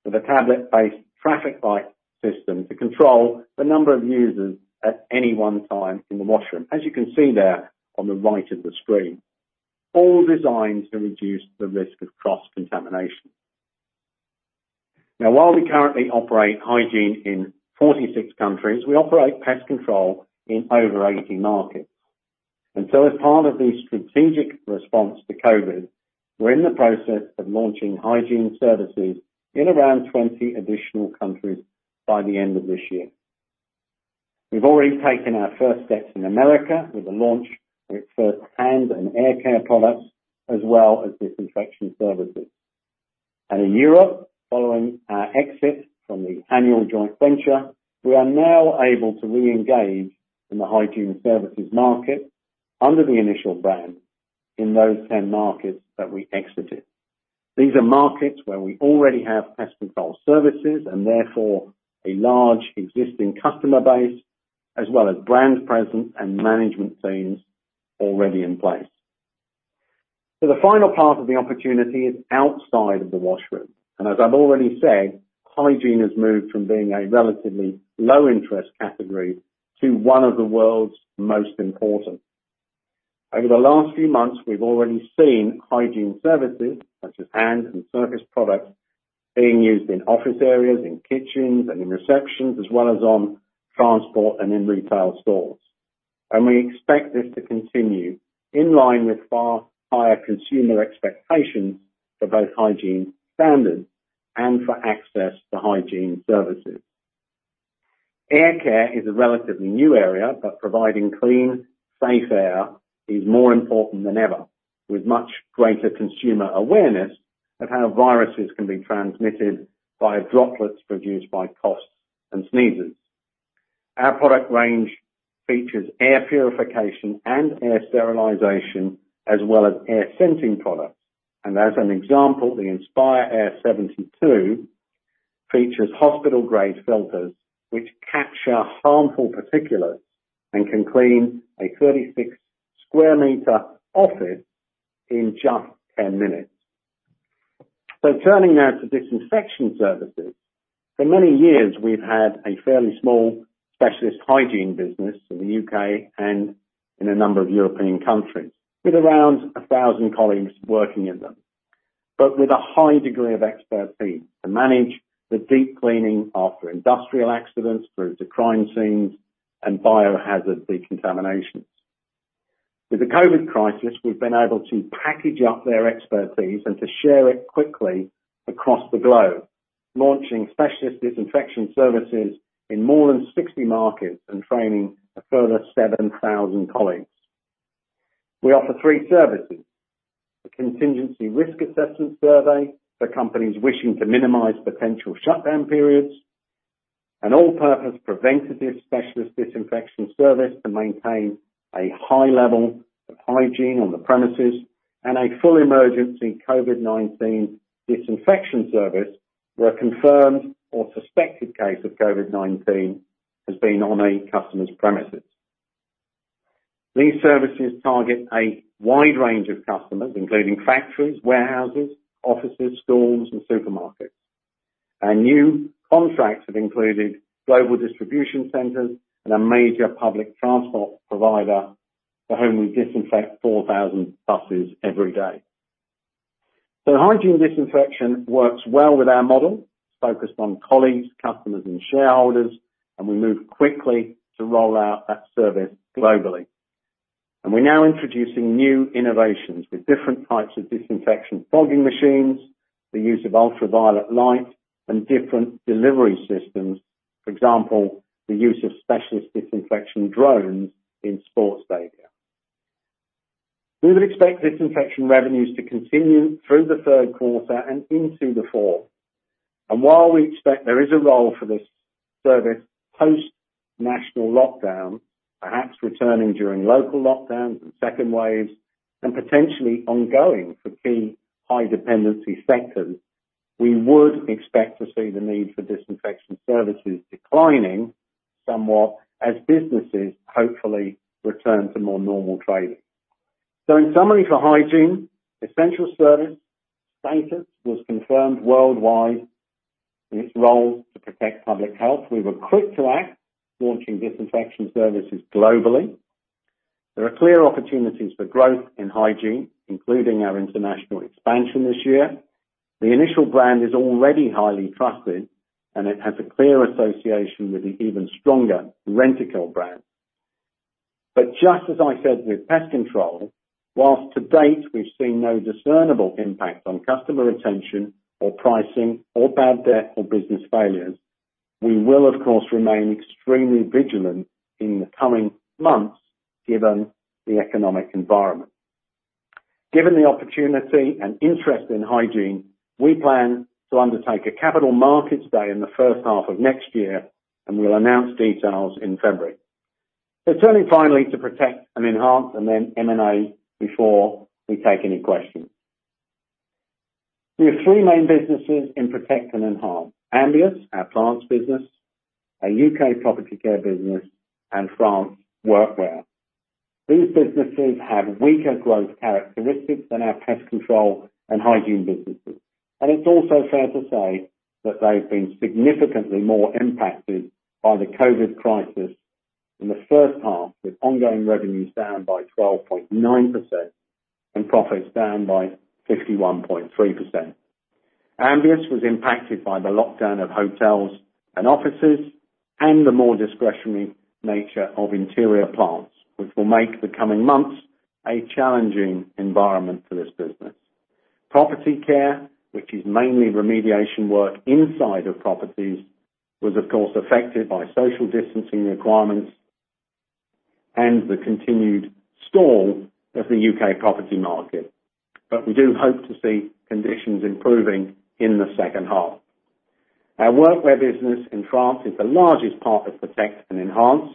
with a tablet-based traffic light system to control the number of users at any one time in the washroom. As you can see there on the right of the screen. All designed to reduce the risk of cross-contamination. While we currently operate hygiene in 46 countries, we operate pest control in over 80 markets. As part of the strategic response to COVID-19, we're in the process of launching hygiene services in around 20 additional countries by the end of this year. We've already taken our first steps in the U.S. with the launch of its first hand and air care products, as well as disinfection services. In Europe, following our exit from the Haniel joint venture, we are now able to reengage in the hygiene services market under the Initial brand in those 10 markets that we exited. These are markets where we already have Pest Control services, and therefore, a large existing customer base, as well as brand presence and management teams already in place. The final part of the opportunity is outside of the washroom, and as I've already said, hygiene has moved from being a relatively low-interest category to one of the world's most important. Over the last few months, we've already seen hygiene services, such as hand and surface products, being used in office areas, in kitchens, and in receptions, as well as on transport and in retail stores. We expect this to continue in line with far higher consumer expectations for both hygiene standards and for access to hygiene services. Air care is a relatively new area, but providing clean, safe air is more important than ever, with much greater consumer awareness of how viruses can be transmitted via droplets produced by coughs and sneezes. Our product range features air purification and air sterilization, as well as air sensing products. As an example, the InspireAir 72 features hospital-grade filters, which capture harmful particulates and can clean a 36 sq m office in just 10 minutes. Turning now to disinfection services. For many years, we've had a fairly small specialist hygiene business in the U.K. and in a number of European countries, with around 1,000 colleagues working in them. With a high degree of expertise to manage the deep cleaning after industrial accidents, through to crime scenes, and biohazard decontaminations. With the COVID-19 crisis, we've been able to package up their expertise and to share it quickly across the globe, launching specialist disinfection services in more than 60 markets and training a further 7,000 colleagues. We offer three services, a contingency risk assessment survey for companies wishing to minimize potential shutdown periods, an all-purpose preventative specialist disinfection service to maintain a high level of hygiene on the premises, and a full emergency COVID-19 disinfection service where a confirmed or suspected case of COVID-19 has been on a customer's premises. These services target a wide range of customers, including factories, warehouses, offices, stores, and supermarkets. Our new contracts have included global distribution centers and a major public transport provider for whom we disinfect 4,000 buses every day. Hygiene disinfection works well with our model. It's focused on colleagues, customers, and shareholders, and we moved quickly to roll out that service globally. We're now introducing new innovations with different types of disinfection fogging machines, the use of ultraviolet light, and different delivery systems. For example, the use of specialist disinfection drones in sports stadia. We would expect disinfection revenues to continue through the third quarter and into the fourth. While we expect there is a role for this service post national lockdown, perhaps returning during local lockdowns and second waves, and potentially ongoing for key high dependency sectors, we would expect to see the need for disinfection services declining somewhat as businesses hopefully return to more normal trading. In summary for hygiene, essential service status was confirmed worldwide in its role to protect public health. We were quick to act, launching disinfection services globally. There are clear opportunities for growth in hygiene, including our international expansion this year. The Initial brand is already highly trusted, and it has a clear association with the even stronger Rentokil brand. Just as I said with Pest Control, whilst to date we've seen no discernible impact on customer retention or pricing or bad debt or business failures, we will, of course, remain extremely vigilant in the coming months given the economic environment. Given the opportunity and interest in hygiene, we plan to undertake a Capital Markets Day in the first half of next year, and we'll announce details in February. Turning finally to Protect and Enhance and then M&A before we take any questions. We have three main businesses in Protect and Enhance. Ambius, our plants business, our U.K. Property Care business, and Haniel joint venture. These businesses have weaker growth characteristics than our Pest Control and hygiene businesses. It's also fair to say that they've been significantly more impacted by the COVID crisis in the first half, with ongoing revenues down by 12.9% and profits down by 51.3%. Ambius was impacted by the lockdown of hotels and offices and the more discretionary nature of interior plants, which will make the coming months a challenging environment for this business. Property Care, which is mainly remediation work inside of properties, was, of course, affected by social distancing requirements and the continued stall of the U.K. property market. We do hope to see conditions improving in the second half. Our workwear business in France is the largest part of Protect and Enhance.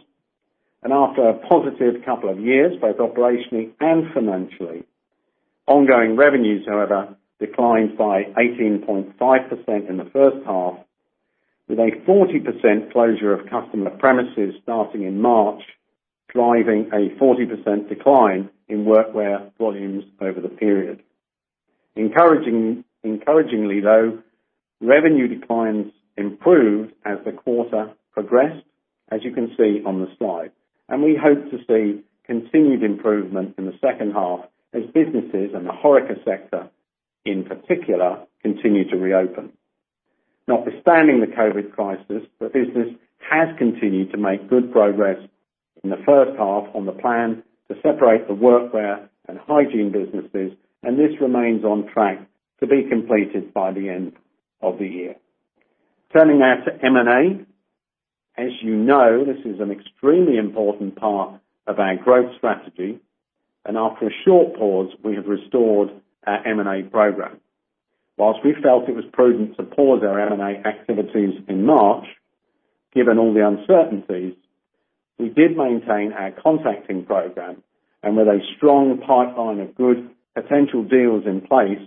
After a positive couple of years, both operationally and financially, ongoing revenues, however, declined by 18.5% in the first half, with a 40% closure of customer premises starting in March, driving a 40% decline in workwear volumes over the period. Encouragingly, though, revenue declines improved as the quarter progressed, as you can see on the slide. We hope to see continued improvement in the second half as businesses and the HoReCa sector, in particular, continue to reopen. Notwithstanding the COVID-19 crisis, the business has continued to make good progress in the first half on the plan to separate the workwear and hygiene businesses, and this remains on track to be completed by the end of the year. Turning now to M&A. As you know, this is an extremely important part of our growth strategy, and after a short pause, we have restored our M&A program. Whilst we felt it was prudent to pause our M&A activities in March, given all the uncertainties, we did maintain our contacting program, with a strong pipeline of good potential deals in place,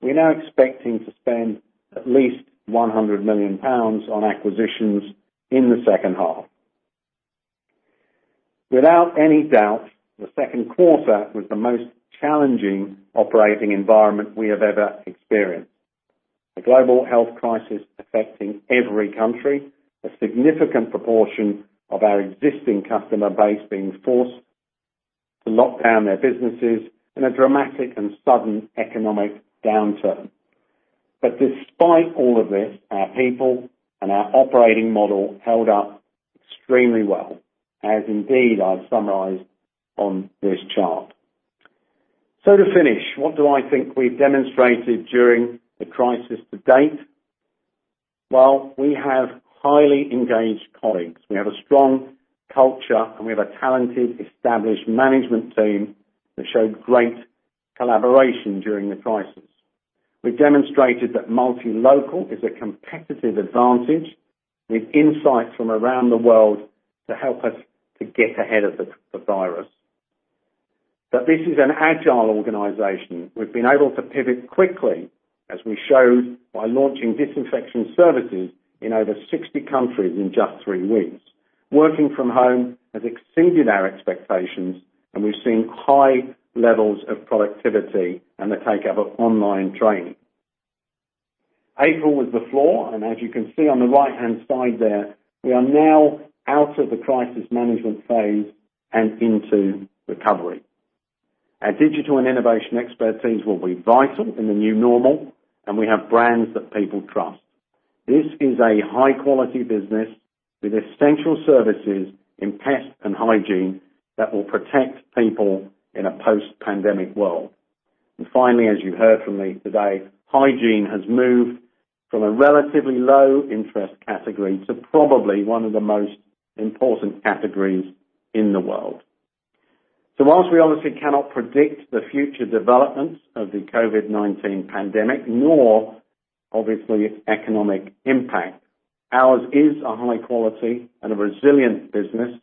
we are now expecting to spend at least 100 million pounds on acquisitions in the second half. Without any doubt, the second quarter was the most challenging operating environment we have ever experienced. A global health crisis affecting every country, a significant proportion of our existing customer base being forced to lock down their businesses in a dramatic and sudden economic downturn. Despite all of this, our people and our operating model held up extremely well, as indeed I've summarized on this chart. To finish, what do I think we've demonstrated during the crisis to date? Well, we have highly engaged colleagues. We have a strong culture, and we have a talented, established management team that showed great collaboration during the crisis. We've demonstrated that multi-local is a competitive advantage with insights from around the world to help us to get ahead of the virus. That this is an agile organization. We've been able to pivot quickly, as we showed by launching disinfection services in over 60 countries in just three weeks. Working from home has exceeded our expectations, and we've seen high levels of productivity and the take-up of online training. April was the floor, and as you can see on the right-hand side there, we are now out of the crisis management phase and into recovery. Our digital and innovation expertise will be vital in the new normal, and we have brands that people trust. This is a high-quality business with essential services in pest and hygiene that will protect people in a post-pandemic world. Finally, as you heard from me today, hygiene has moved from a relatively low interest category to probably one of the most important categories in the world. Whilst we obviously cannot predict the future developments of the COVID-19 pandemic, nor obviously its economic impact, ours is a high quality and a resilient business,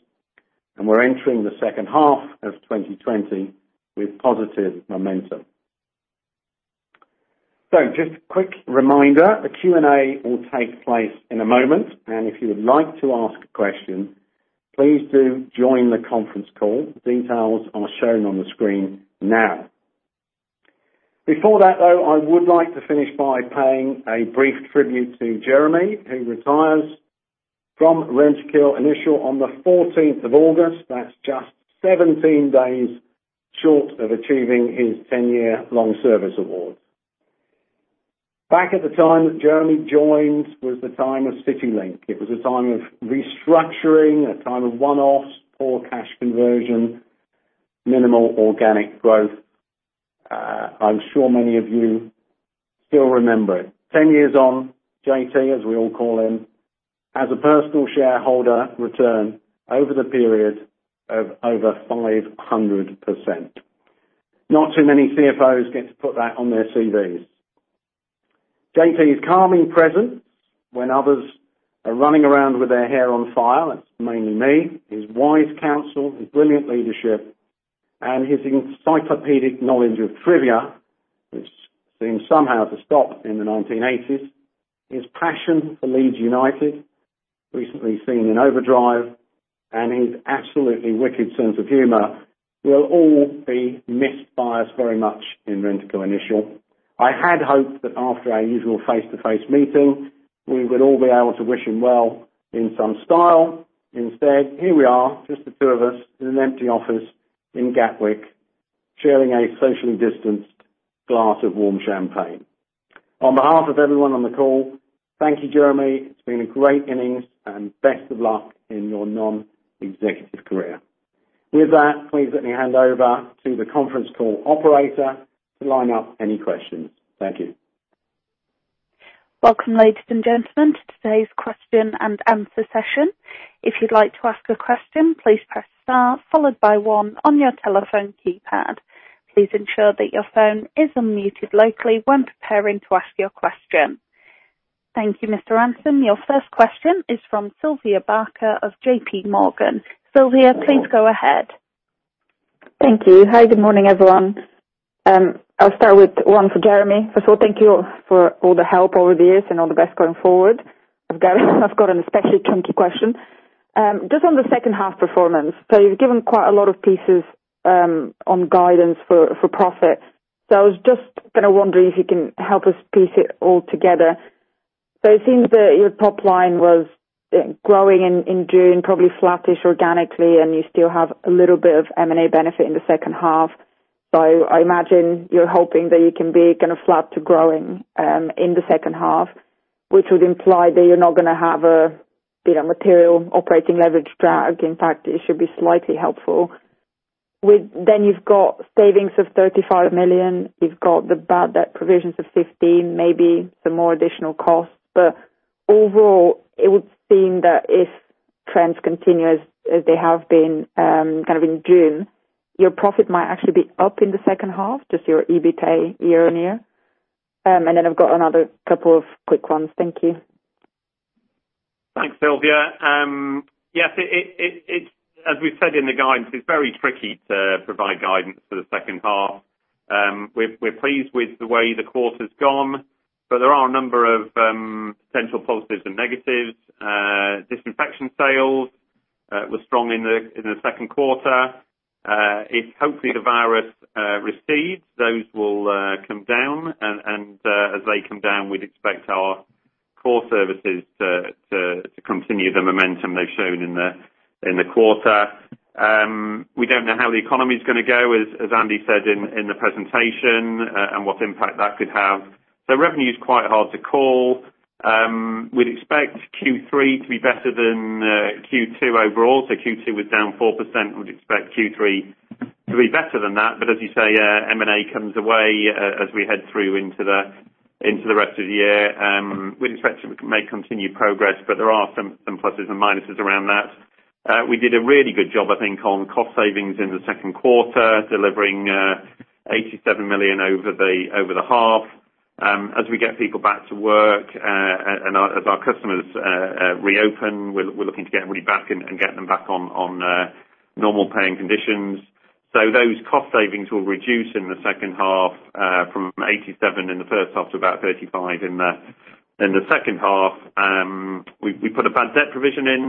and we're entering the second half of 2020 with positive momentum. Just a quick reminder, the Q&A will take place in a moment, and if you would like to ask a question, please do join the conference call. Details are shown on the screen now. Before that, though, I would like to finish by paying a brief tribute to Jeremy, who retires from Rentokil Initial on the 14th of August. That's just 17 days short of achieving his 10-year long service award. Back at the time that Jeremy joined was the time of City Link. It was a time of restructuring, a time of one-offs, poor cash conversion, minimal organic growth. I'm sure many of you still remember it. 10 years on, JT, as we all call him, as a personal shareholder, return over the period of over 500%. Not too many CFOs get to put that on their CVs. JT's calming presence when others are running around with their hair on fire, that's mainly me, his wise counsel, his brilliant leadership, his encyclopedic knowledge of trivia, which seems somehow to stop in the 1980s, his passion for Leeds United, recently seen in overdrive, his absolutely wicked sense of humor will all be missed by us very much in Rentokil Initial. I had hoped that after our usual face-to-face meeting, we would all be able to wish him well in some style. Instead, here we are, just the two of us in an empty office in Gatwick, sharing a socially distanced glass of warm champagne. On behalf of everyone on the call, thank you, Jeremy. It's been a great innings, and best of luck in your non-executive career. With that, please let me hand over to the conference call operator to line up any questions. Thank you. Welcome, ladies and gentlemen, to today's question and answer session. If you'd like to ask a question, please press star followed by one on your telephone keypad. Please ensure that your phone is unmuted locally when preparing to ask your question. Thank you, Mr. Ransom. Your first question is from Sylvia Barker of JP Morgan. Sylvia, please go ahead. Thank you. Hi, good morning, everyone. I'll start with one for Jeremy. First of all, thank you for all the help over the years and all the best going forward. I've got an especially tricky question. Just on the second half performance, you've given quite a lot of pieces on guidance for profit. I was just kind of wondering if you can help us piece it all together. It seems that your top line was growing in June, probably flattish organically, and you still have a little bit of M&A benefit in the second half. I imagine you're hoping that you can be kind of flat to growing in the second half, which would imply that you're not going to have a bit of material operating leverage drag. In fact, it should be slightly helpful. You've got savings of 35 million. You've got the bad debt provisions of 15 million, maybe some more additional costs. Overall, it would seem that if trends continue as they have been kind of in June, your profit might actually be up in the second half, just your EBITA year-on-year. I've got another couple of quick ones. Thank you. Thanks, Sylvia. Yes, as we said in the guidance, it's very tricky to provide guidance for the second half. We're pleased with the way the quarter's gone, but there are a number of potential positives and negatives. Disinfection sales were strong in the second quarter. If, hopefully, the virus recedes, those will come down, and as they come down, we'd expect our core services to continue the momentum they've shown in the quarter. We don't know how the economy is going to go, as Andy said in the presentation, and what impact that could have. Revenue is quite hard to call. We'd expect Q3 to be better than Q2 overall. Q2 was down 4%. We would expect Q3 to be better than that. As you say, M&A comes away as we head through into the rest of the year. We'd expect to make continued progress. There are some pluses and minuses around that. We did a really good job, I think, on cost savings in the second quarter, delivering 87 million over the half. As we get people back to work and as our customers reopen, we're looking to get everybody back in and get them back on normal paying conditions. Those cost savings will reduce in the second half from 87 million in the first half to about 35 million in the second half. We put a bad debt provision in.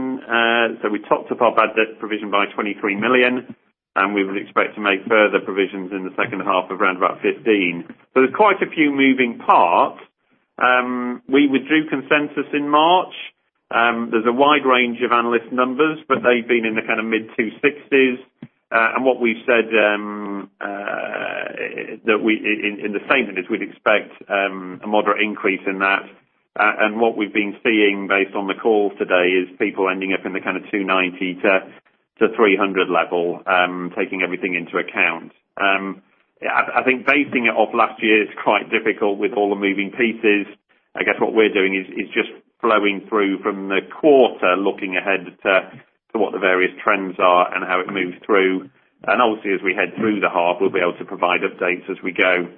We topped up our bad debt provision by 23 million, and we would expect to make further provisions in the second half of around about 15 million. There's quite a few moving parts. We withdrew consensus in March. There's a wide range of analyst numbers. They've been in the kind of mid 260s. What we've said in the statement is we'd expect a moderate increase in that. What we've been seeing based on the call today is people ending up in the kind of 290-300 level, taking everything into account. I think basing it off last year is quite difficult with all the moving pieces. I guess what we're doing is just flowing through from the quarter, looking ahead to what the various trends are and how it moves through. Obviously, as we head through the half, we'll be able to provide updates as we go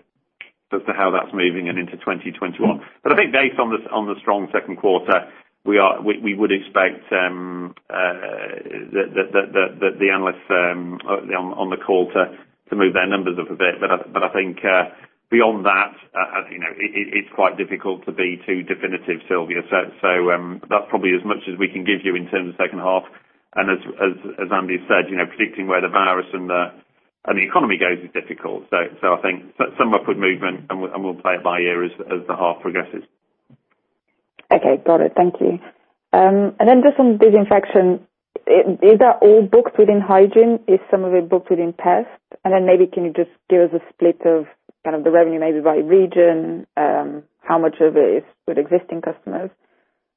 as to how that's moving and into 2021. I think based on the strong second quarter, we would expect the analysts on the call to move their numbers up a bit. Beyond that, it's quite difficult to be too definitive, Sylvia. That's probably as much as we can give you in terms of second half. As Andy said, predicting where the virus and the economy goes is difficult. I think some upward movement and we'll play it by ear as the half progresses. Okay. Got it. Thank you. Then just on disinfection, is that all booked within Initial? Is some of it booked within Pest Control? Then maybe can you just give us a split of the revenue maybe by region? How much of it is with existing customers?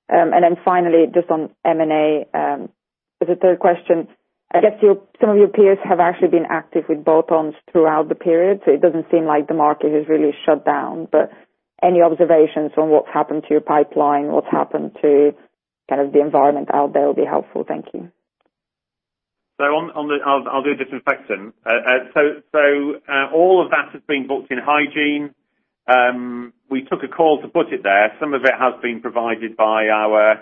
Then finally, just on M&A, as a third question, I guess some of your peers have actually been active with bolt-ons throughout the period, so it doesn't seem like the market has really shut down. Any observations on what's happened to your pipeline, what's happened to the environment out there will be helpful. Thank you. I'll do disinfection. All of that has been booked in hygiene. We took a call to put it there. Some of it has been provided by our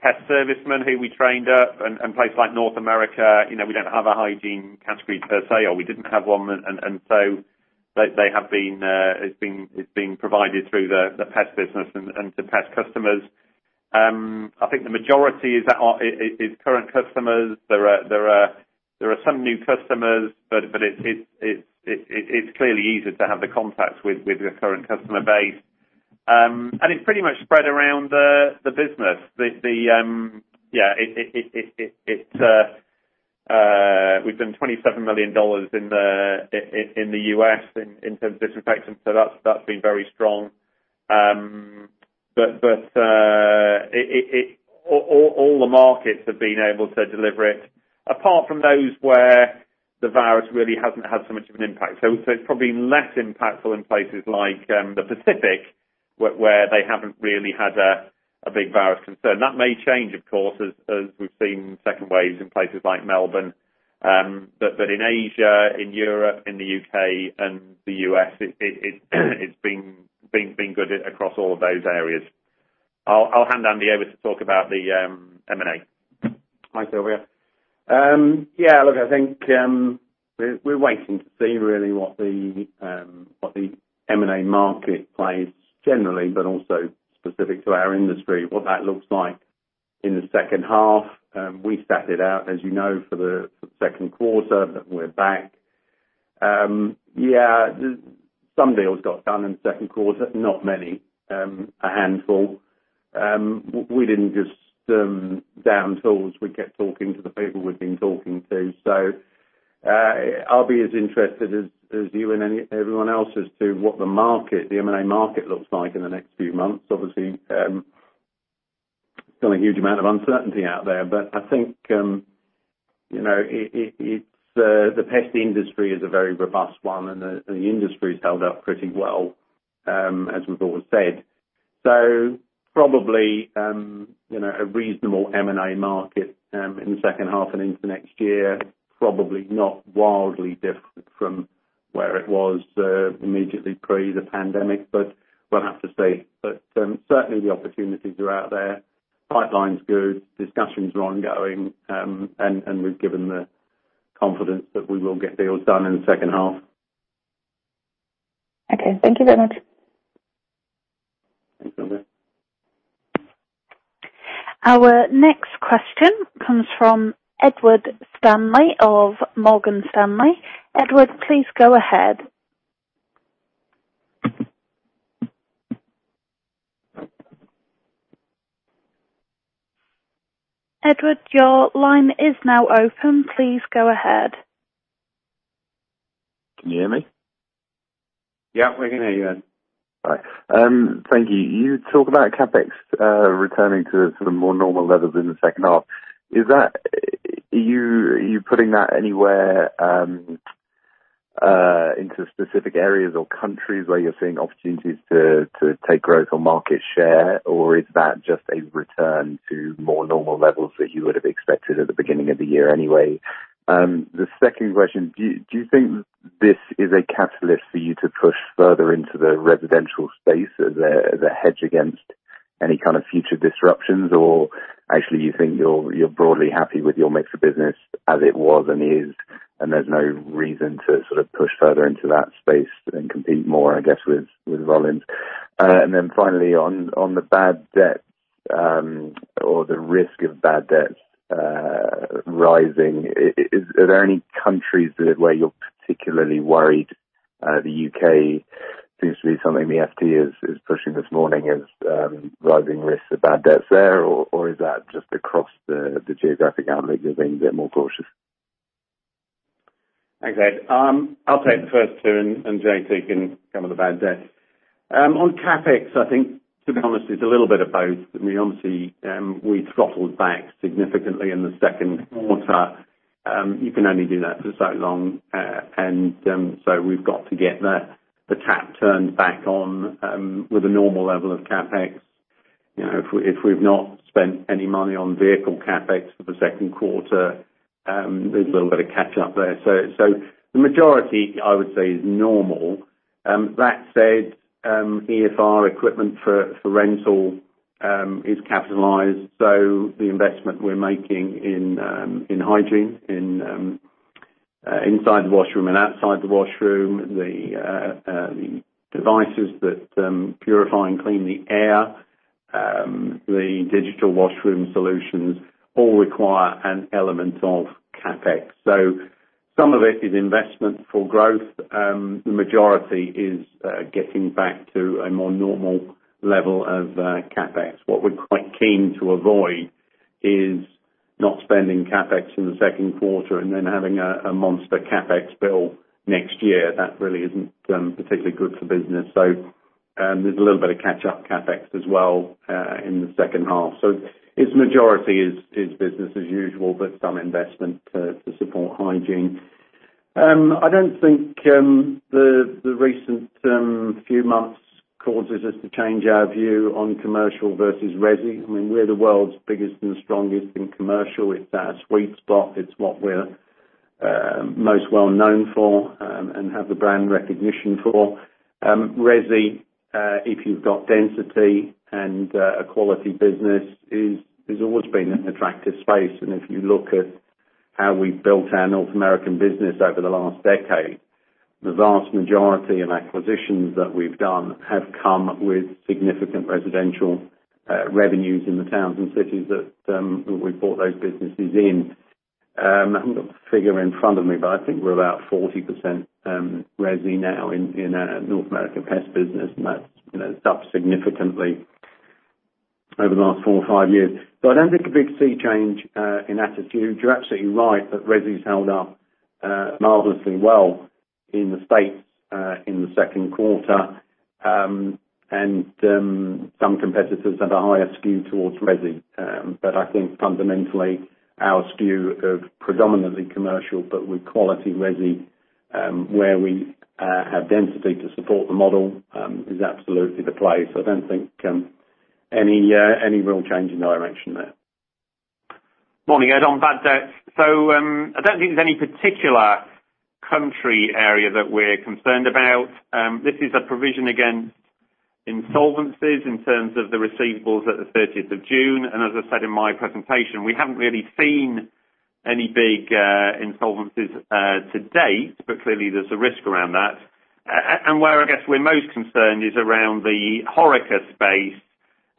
pest servicemen who we trained up in places like North America. We don't have a hygiene category per se, or we didn't have one, it's being provided through the pest business and to pest customers. I think the majority is current customers. There are some new customers, it's clearly easier to have the contacts with your current customer base. It's pretty much spread around the business. We've done $27 million in the U.S. in terms of disinfection, that's been very strong. All the markets have been able to deliver it, apart from those where the virus really hasn't had so much of an impact. It's probably less impactful in places like the Pacific, where they haven't really had a big virus concern. That may change, of course, as we've seen second waves in places like Melbourne. In Asia, in Europe, in the U.K., and the U.S., it's been good across all of those areas. I'll hand Andy over to talk about the M&A. Hi, Sylvia. Look, I think we're waiting to see really what the M&A marketplace generally, but also specific to our industry, what that looks like in the second half. We sat it out, as you know, for the second quarter, but we're back. Some deals got done in the second quarter, not many. A handful. We didn't just stem down tools. We kept talking to the people we've been talking to. I'll be as interested as you and everyone else as to what the M&A market looks like in the next few months. Obviously, still a huge amount of uncertainty out there. I think the pest industry is a very robust one, and the industry's held up pretty well, as we've always said. Probably, a reasonable M&A market in the second half and into next year. Probably not wildly different from where it was immediately pre the pandemic, but we'll have to see. Certainly the opportunities are out there. Pipeline's good, discussions are ongoing, and we've given the confidence that we will get deals done in the second half. Okay. Thank you very much. Thanks, Sylvia. Our next question comes from Edward Stanley of Morgan Stanley. Edward, please go ahead. Edward, your line is now open. Please go ahead. Can you hear me? Yeah, we can hear you, Ed. All right. Thank you. You talk about CapEx returning to sort of more normal levels in the second half. Are you putting that anywhere into specific areas or countries where you're seeing opportunities to take growth or market share, or is that just a return to more normal levels that you would have expected at the beginning of the year anyway? The second question, do you think this is a catalyst for you to push further into the residential space as a hedge against any kind of future disruptions? Actually, you think you're broadly happy with your mix of business as it was and is, and there's no reason to sort of push further into that space and compete more, I guess, with Rollins? Finally, on the bad debts, or the risk of bad debts rising, are there any countries where you're particularly worried? The U.K. seems to be something the FT is pushing this morning as rising risks of bad debts there, or is that just across the geographic outlet you're being a bit more cautious? Thanks, Ed. I'll take the first two, and Jeremy can come with the bad debts. On CapEx, I think to be honest, it's a little bit of both. Obviously, we throttled back significantly in the second quarter. You can only do that for so long, we've got to get the tap turned back on with a normal level of CapEx. If we've not spent any money on vehicle CapEx for the second quarter, there's a little bit of catch up there. The majority, I would say, is normal. That said, EFR, equipment for rental Is capitalized. The investment we're making in hygiene, inside the washroom and outside the washroom, the devices that purify and clean the air, the digital washroom solutions, all require an element of CapEx. Some of it is investment for growth. The majority is getting back to a more normal level of CapEx. What we're quite keen to avoid is not spending CapEx in the second quarter and then having a monster CapEx bill next year. That really isn't particularly good for business. There's a little bit of catch-up CapEx as well in the second half. Its majority is business as usual, but some investment to support hygiene. I don't think the recent few months causes us to change our view on commercial versus resi. We're the world's biggest and strongest in commercial. It's our sweet spot. It's what we're most well-known for and have the brand recognition for. resi, if you've got density and a quality business, has always been an attractive space. If you look at how we've built our North American business over the last decade, the vast majority of acquisitions that we've done have come with significant residential revenues in the towns and cities that we bought those businesses in. I haven't got the figure in front of me, but I think we're about 40% resi now in North America Pest Control business, and that's up significantly over the last four or five years. I don't think a big sea change in attitude. You're absolutely right that resi's held up marvelously well in the U.S. in the second quarter. Some competitors have a higher skew towards resi. I think fundamentally our skew of predominantly commercial, but with quality resi, where we have density to support the model, is absolutely the place. I don't think any real change in that direction there. Morning, Ed. On bad debt. I don't think there's any particular country area that we're concerned about. This is a provision against insolvencies in terms of the receivables at the 30th of June. As I said in my presentation, we haven't really seen any big insolvencies to date. Clearly there's a risk around that. Where I guess we're most concerned is around the HoReCa space,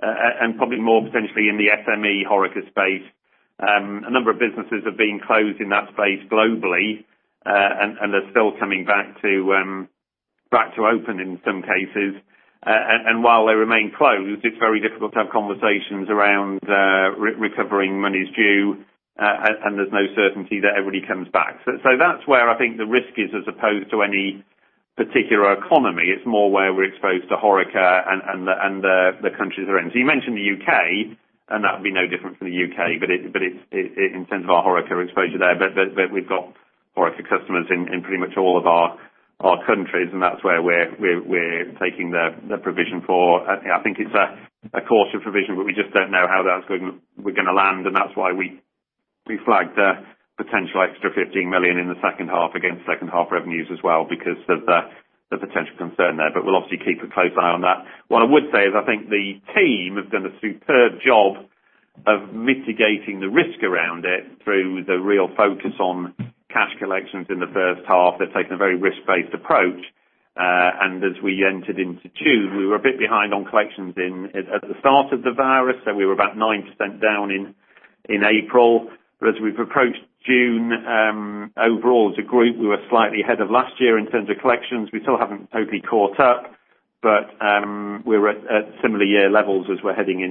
and probably more potentially in the SME HoReCa space. A number of businesses have been closed in that space globally, and they're still coming back to open in some cases. While they remain closed, it's very difficult to have conversations around recovering monies due, and there's no certainty that everybody comes back. That's where I think the risk is as opposed to any particular economy. It's more where we're exposed to HoReCa and the countries they're in. You mentioned the U.K., that would be no different from the U.K. in terms of our HoReCa exposure there. We've got HoReCa customers in pretty much all of our countries, that's where we're taking the provision for. I think it's a cautious provision, but we just don't know how that's going to land. That's why we flagged a potential extra $15 million in the second half against second half revenues as well because of the potential concern there. We'll obviously keep a close eye on that. What I would say is I think the team has done a superb job of mitigating the risk around it through the real focus on cash collections in the first half. They've taken a very risk-based approach. As we entered into June, we were a bit behind on collections at the start of the virus. We were about 9% down in April. As we've approached June, overall as a group, we were slightly ahead of last year in terms of collections. We still haven't totally caught up, but we were at similar year levels as we're heading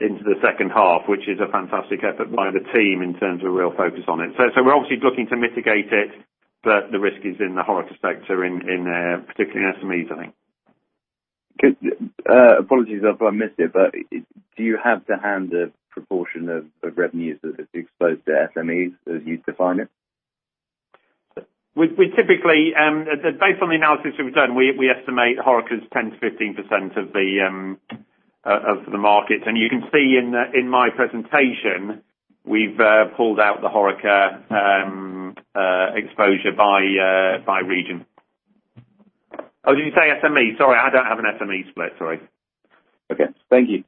into the second half, which is a fantastic effort by the team in terms of real focus on it. We're obviously looking to mitigate it, but the risk is in the HoReCa sector, particularly in SMEs, I think. Apologies if I missed it, do you have to hand the proportion of revenues that is exposed to SMEs as you define it? Based on the analysis we've done, we estimate HoReCa is 10%-15% of the market. You can see in my presentation, we've pulled out the HoReCa exposure by region. Oh, did you say SME? Sorry, I don't have an SME split. Sorry. Okay. Thank you.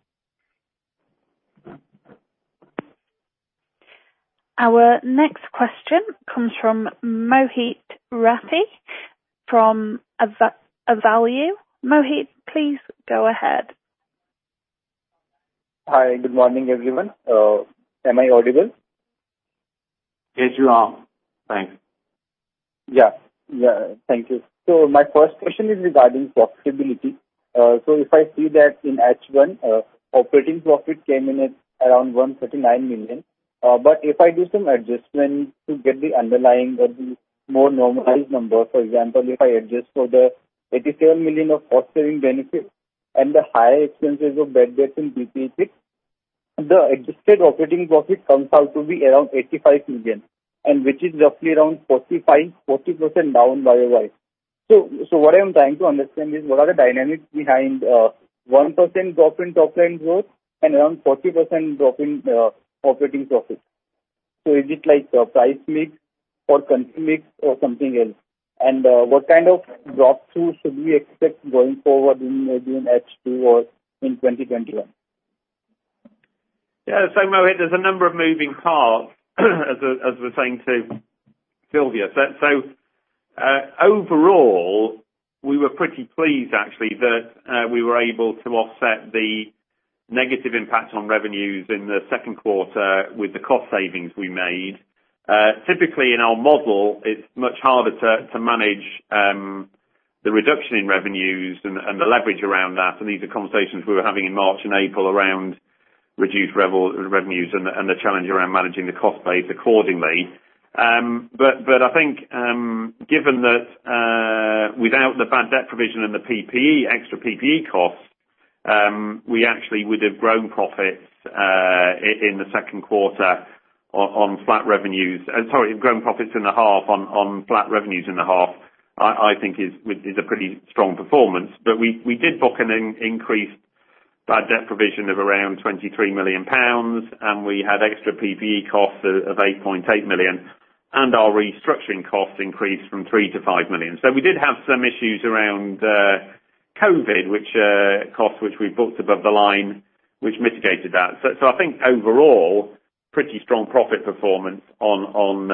Our next question comes from [Mohit Rathore from Avalere]. [Mohit], please go ahead. Hi. Good morning, everyone. Am I audible? Yes, you are. Thanks. Yeah. Thank you. My first question is regarding profitability. If I see that in H1, operating profit came in at around 139 million. If I do some adjustment to get the underlying or the more normalized number, for example, if I adjust for the 87 million of cost saving benefit and the higher expenses of bad debts in PPE, the adjusted operating profit comes out to be around 85 million, and which is roughly around 45%-40% down year-over-year. What I'm trying to understand is what are the dynamics behind 1% drop in top line growth and around 40% drop in operating profit? Is it price mix or country mix or something else? What kind of drop through should we expect going forward in maybe in H2 or in 2021? [Mohit], there's a number of moving parts, as I was saying to Sylvia. Overall, we were pretty pleased actually that we were able to offset the negative impact on revenues in the second quarter with the cost savings we made. Typically, in our model, it's much harder to manage the reduction in revenues and the leverage around that, and these are conversations we were having in March and April around reduced revenues and the challenge around managing the cost base accordingly. I think, given that without the bad debt provision and the extra PPE costs, we actually would have grown profits in the second quarter on flat revenues. Sorry, grown profits in the half on flat revenues in the half, I think is a pretty strong performance. We did book an increased bad debt provision of around 23 million pounds, and we had extra PPE costs of 8.8 million, and our restructuring costs increased from 3 million-5 million. We did have some issues around COVID-19, costs which we booked above the line, which mitigated that. I think overall, pretty strong profit performance on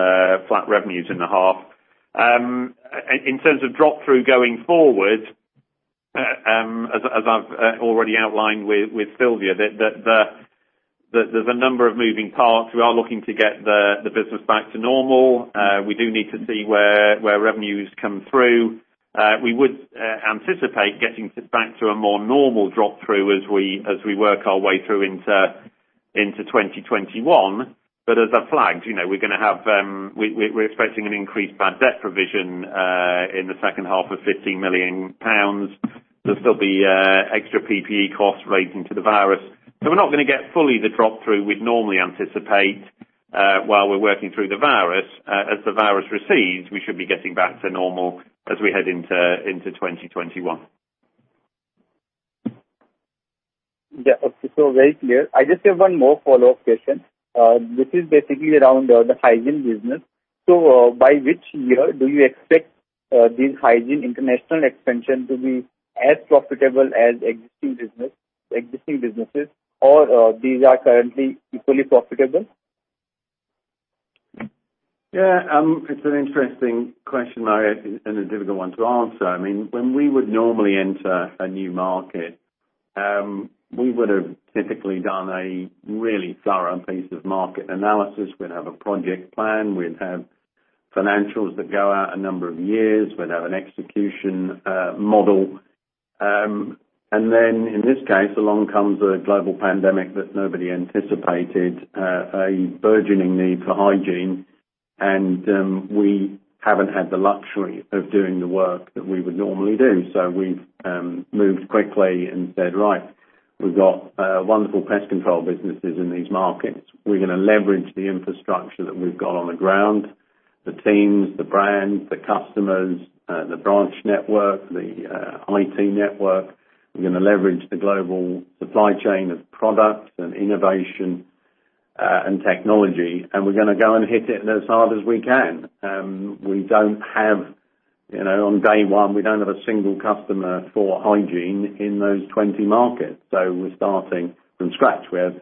flat revenues in the half. In terms of drop through going forward, as I've already outlined with Sylvia, that there's a number of moving parts. We are looking to get the business back to normal. We do need to see where revenues come through. We would anticipate getting back to a more normal drop through as we work our way through into 2021. As I flagged, we're expecting an increased bad debt provision in the second half of 15 million pounds. There'll still be extra PPE costs relating to the virus. We're not going to get fully the drop through we'd normally anticipate while we're working through the virus. As the virus recedes, we should be getting back to normal as we head into 2021. Okay, very clear. I just have one more follow-up question. This is basically around the hygiene business. By which year do you expect this hygiene international expansion to be as profitable as existing businesses, or these are currently equally profitable? Yeah. It's an interesting question, [Mohit], and a difficult one to answer. When we would normally enter a new market, we would have typically done a really thorough piece of market analysis. We'd have a project plan, we'd have financials that go out a number of years, we'd have an execution model. In this case, along comes a global pandemic that nobody anticipated, a burgeoning need for hygiene, and we haven't had the luxury of doing the work that we would normally do. We've moved quickly and said, "Right. We've got wonderful pest control businesses in these markets. We're going to leverage the infrastructure that we've got on the ground, the teams, the brands, the customers, the branch network, the IT network. We're going to leverage the global supply chain of product and innovation, and technology. We're going to go and hit it as hard as we can. On day one, we don't have a single customer for hygiene in those 20 markets. We're starting from scratch. We have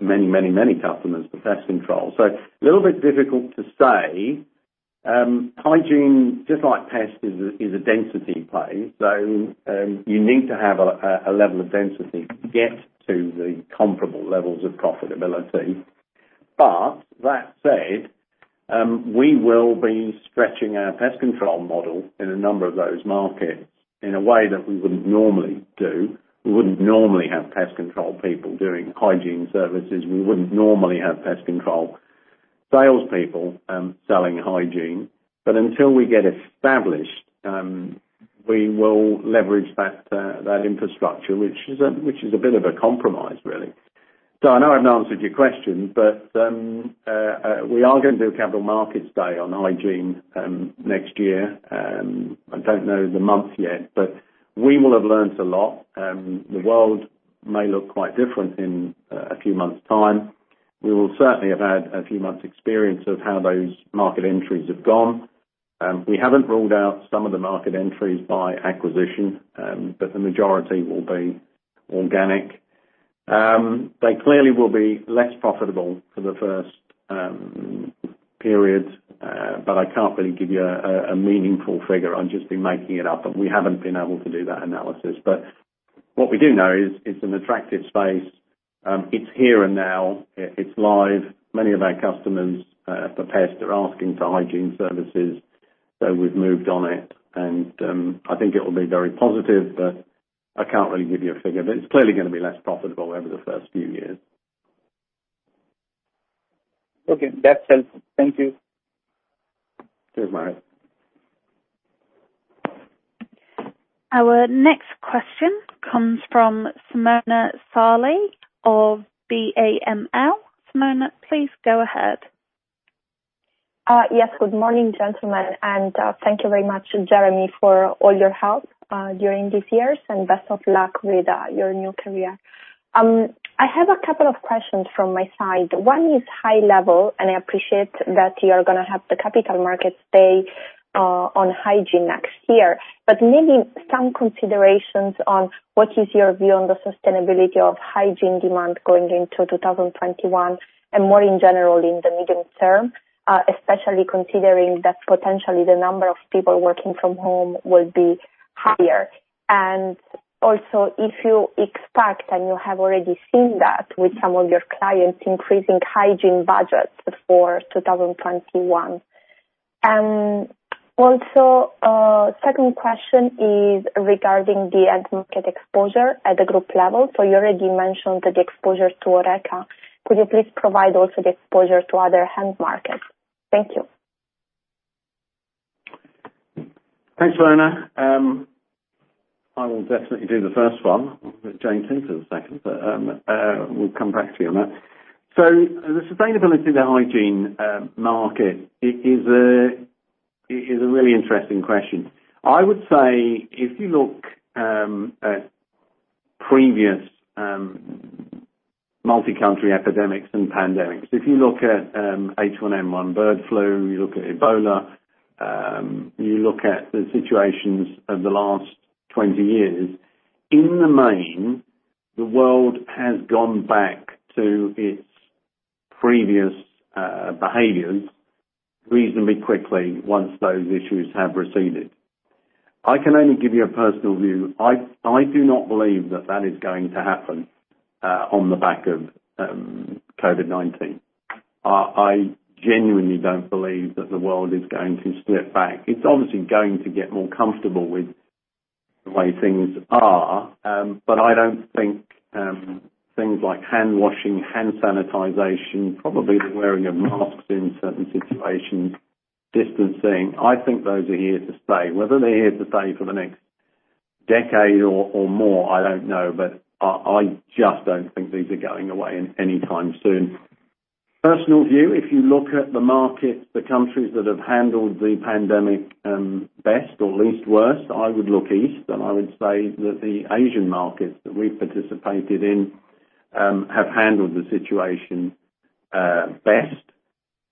many customers for pest control. A little bit difficult to say. Hygiene, just like pest, is a density play. You need to have a level of density to get to the comparable levels of profitability. That said, we will be stretching our pest control model in a number of those markets in a way that we wouldn't normally do. We wouldn't normally have pest control people doing hygiene services. We wouldn't normally have pest control salespeople selling hygiene. Until we get established, we will leverage that infrastructure, which is a bit of a compromise, really. I know I've not answered your question, but we are going to do a capital markets day on hygiene next year. I don't know the month yet, but we will have learned a lot. The world may look quite different in a few months' time. We will certainly have had a few months' experience of how those market entries have gone. We haven't ruled out some of the market entries by acquisition, but the majority will be organic. They clearly will be less profitable for the first periods, but I can't really give you a meaningful figure. I'd just be making it up, but we haven't been able to do that analysis. What we do know is it's an attractive space. It's here and now. It's live. Many of our customers for pest are asking for hygiene services, so we've moved on it and I think it will be very positive, but I can't really give you a figure. It's clearly going to be less profitable over the first few years. Okay. That's helpful. Thank you. Cheers, [Mohit]. Our next question comes from Simona Sarli of BAML. Simona, please go ahead. Yes. Good morning, gentlemen, and thank you very much, Jeremy, for all your help during these years, and best of luck with your new career. I have a couple of questions from my side. One is high level, and I appreciate that you are going to have the capital markets day on hygiene next year. Maybe some considerations on what is your view on the sustainability of hygiene demand going into 2021 and more in general in the medium term, especially considering that potentially the number of people working from home will be higher. Also if you expect, and you have already seen that with some of your clients, increasing hygiene budgets for 2021. Also, second question is regarding the end market exposure at the group level. You already mentioned the exposure to HoReCa. Could you please provide also the exposure to other end markets? Thank you. Thanks, Simona. I will definitely do the first one. Jeremy can do the second, but we'll come back to you on that. The sustainability of the hygiene market is a really interesting question. I would say if you look at previous multi-country epidemics and pandemics, if you look at H1N1, bird flu, you look at Ebola, you look at the situations of the last 20 years. In the main, the world has gone back to its previous behaviors reasonably quickly once those issues have receded. I can only give you a personal view. I do not believe that that is going to happen on the back of COVID-19. I genuinely don't believe that the world is going to slip back. It's obviously going to get more comfortable with the way things are. I don't think things like hand washing, hand sanitization, probably the wearing of masks in certain situations, distancing, I think those are here to stay. Whether they're here to stay for the next decade or more, I don't know, but I just don't think these are going away any time soon. Personal view, if you look at the markets, the countries that have handled the pandemic best or least worst, I would look East and I would say that the Asian markets that we participated in have handled the situation best.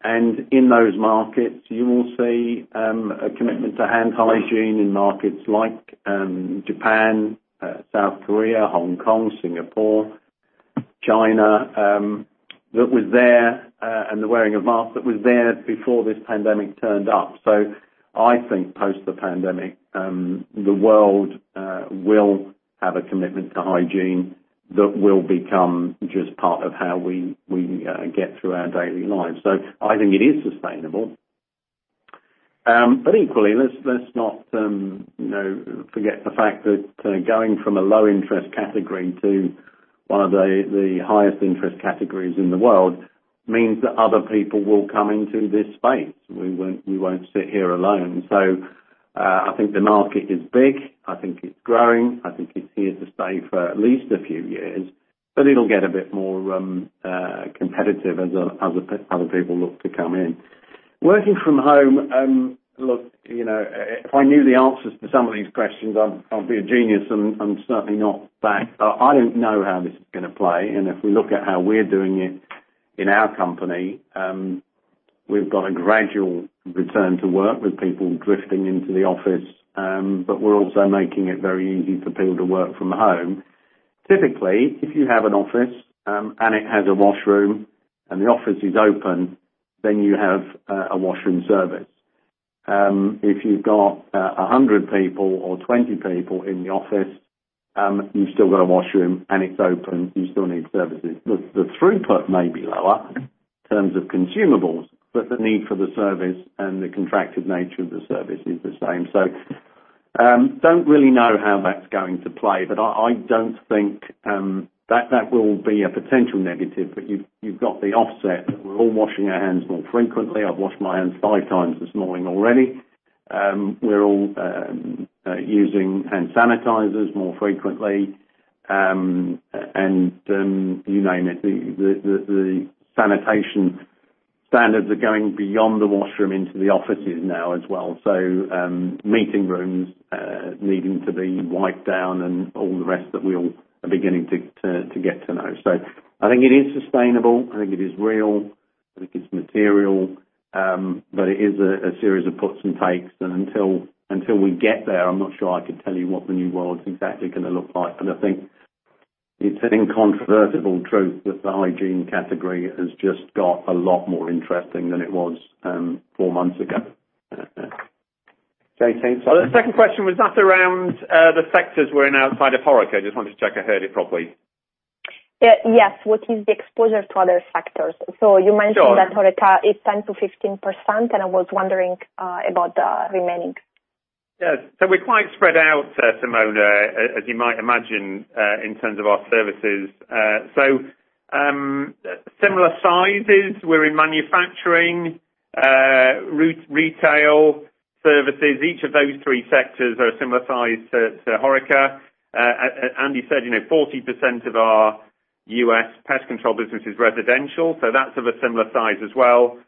In those markets you will see a commitment to hand hygiene in markets like Japan, South Korea, Hong Kong, Singapore, China, that was there, and the wearing of masks, that was there before this pandemic turned up. I think post the pandemic, the world will have a commitment to hygiene that will become just part of how we get through our daily lives. I think it is sustainable. Equally, let's not forget the fact that going from a low interest category to one of the highest interest categories in the world means that other people will come into this space. We won't sit here alone. I think the market is big. I think it's growing. I think it's here to stay for at least a few years, but it'll get a bit more competitive as other people look to come in. Working from home, look, if I knew the answers to some of these questions, I'd be a genius, and I'm certainly not that. I don't know how this is going to play. If we look at how we're doing it in our company, we've got a gradual return to work with people drifting into the office. We're also making it very easy for people to work from home. Typically, if you have an office and it has a washroom and the office is open, then you have a washroom service. If you've got 100 people or 20 people in the office, you've still got a washroom and it's open, you still need services. The throughput may be lower in terms of consumables, but the need for the service and the contracted nature of the service is the same. Don't really know how that's going to play, but I don't think that will be a potential negative. You've got the offset that we're all washing our hands more frequently. I've washed my hands five times this morning already. We're all using hand sanitizers more frequently. You name it. The sanitation standards are going beyond the washroom into the offices now as well. Meeting rooms needing to be wiped down and all the rest that we all are beginning to get to know. I think it is sustainable. I think it is real, I think it's material. It is a series of puts and takes. Until we get there, I'm not sure I could tell you what the new world's exactly going to look like. I think it's an incontrovertible truth that the hygiene category has just got a lot more interesting than it was four months ago. Jeremy? The second question, was that around the sectors we're in outside of HoReCa? I just wanted to check I heard it properly. Yes. What is the exposure to other sectors? Sure That HoReCa is 10%-15%, and I was wondering about the remaining. Yes. We're quite spread out, Simona, as you might imagine, in terms of our services. Similar sizes, we're in manufacturing, retail services. Each of those three sectors are a similar size to HoReCa. Andy said 40% of our U.S. Pest Control business is residential, so that's of a similar size as well.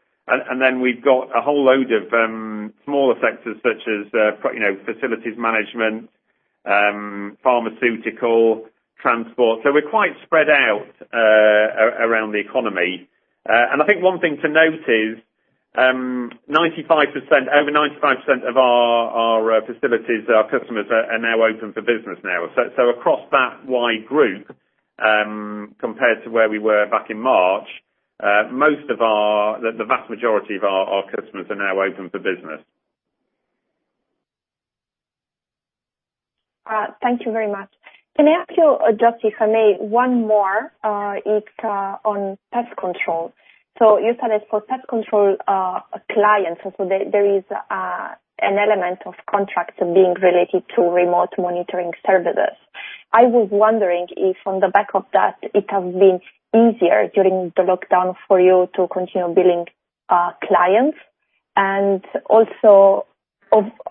We've got a whole load of smaller sectors such as facilities management, pharmaceutical, transport. We're quite spread out around the economy. I think one thing to note is, over 95% of our facilities, our customers, are now open for business now. Across that wide group, compared to where we were back in March, the vast majority of our customers are now open for business. Thank you very much. Can I ask you, just if I may, one more. It's on Pest Control. You said for Pest Control clients, there is an element of contracts being related to remote monitoring services. I was wondering if on the back of that, it has been easier during the lockdown for you to continue billing clients.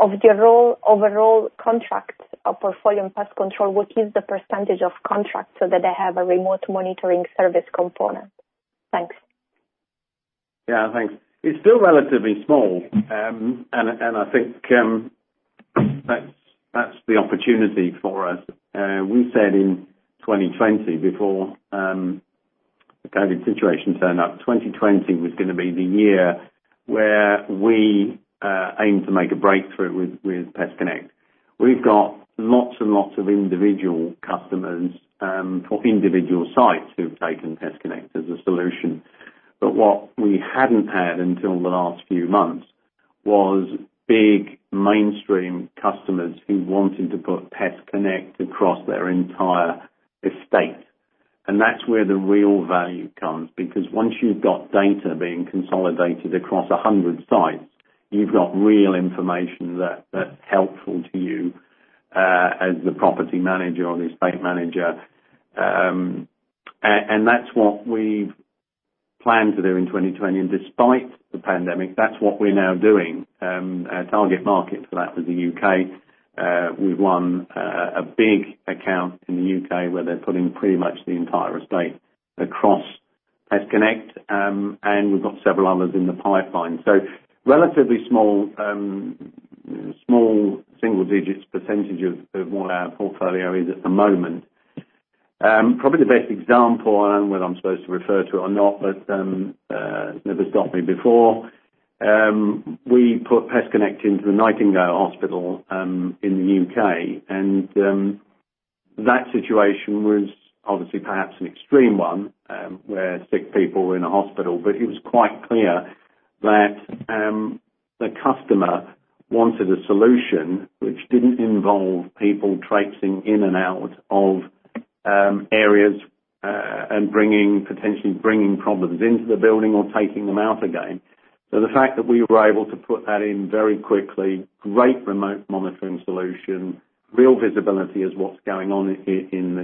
Of the overall contracts or portfolio in Pest Control, what is the percentage of contracts so that they have a remote monitoring service component? Thanks. Yeah, thanks. It's still relatively small, and I think that's the opportunity for us. We said in 2020, before the COVID-19 situation turned up, 2020 was going to be the year where we aim to make a breakthrough with PestConnect. We've got lots and lots of individual customers or individual sites who've taken PestConnect as a solution. What we hadn't had until the last few months was big, mainstream customers who wanted to put PestConnect across their entire estate. That's where the real value comes, because once you've got data being consolidated across 100 sites, you've got real information that's helpful to you as the property manager or the estate manager. That's what we've planned to do in 2020. Despite the pandemic, that's what we're now doing. Our target market for that was the U.K. We've won a big account in the U.K. where they're putting pretty much the entire estate across PestConnect, and we've got several others in the pipeline. Relatively small, single-digit percentage of what our portfolio is at the moment. Probably the best example, I don't know whether I'm supposed to refer to it or not, never stopped me before. We put PestConnect into the Nightingale Hospital in the U.K., that situation was obviously perhaps an extreme one, where sick people were in a hospital. It was quite clear that the customer wanted a solution which didn't involve people traipsing in and out of areas and potentially bringing problems into the building or taking them out again. The fact that we were able to put that in very quickly, great remote monitoring solution, real visibility as what's going on in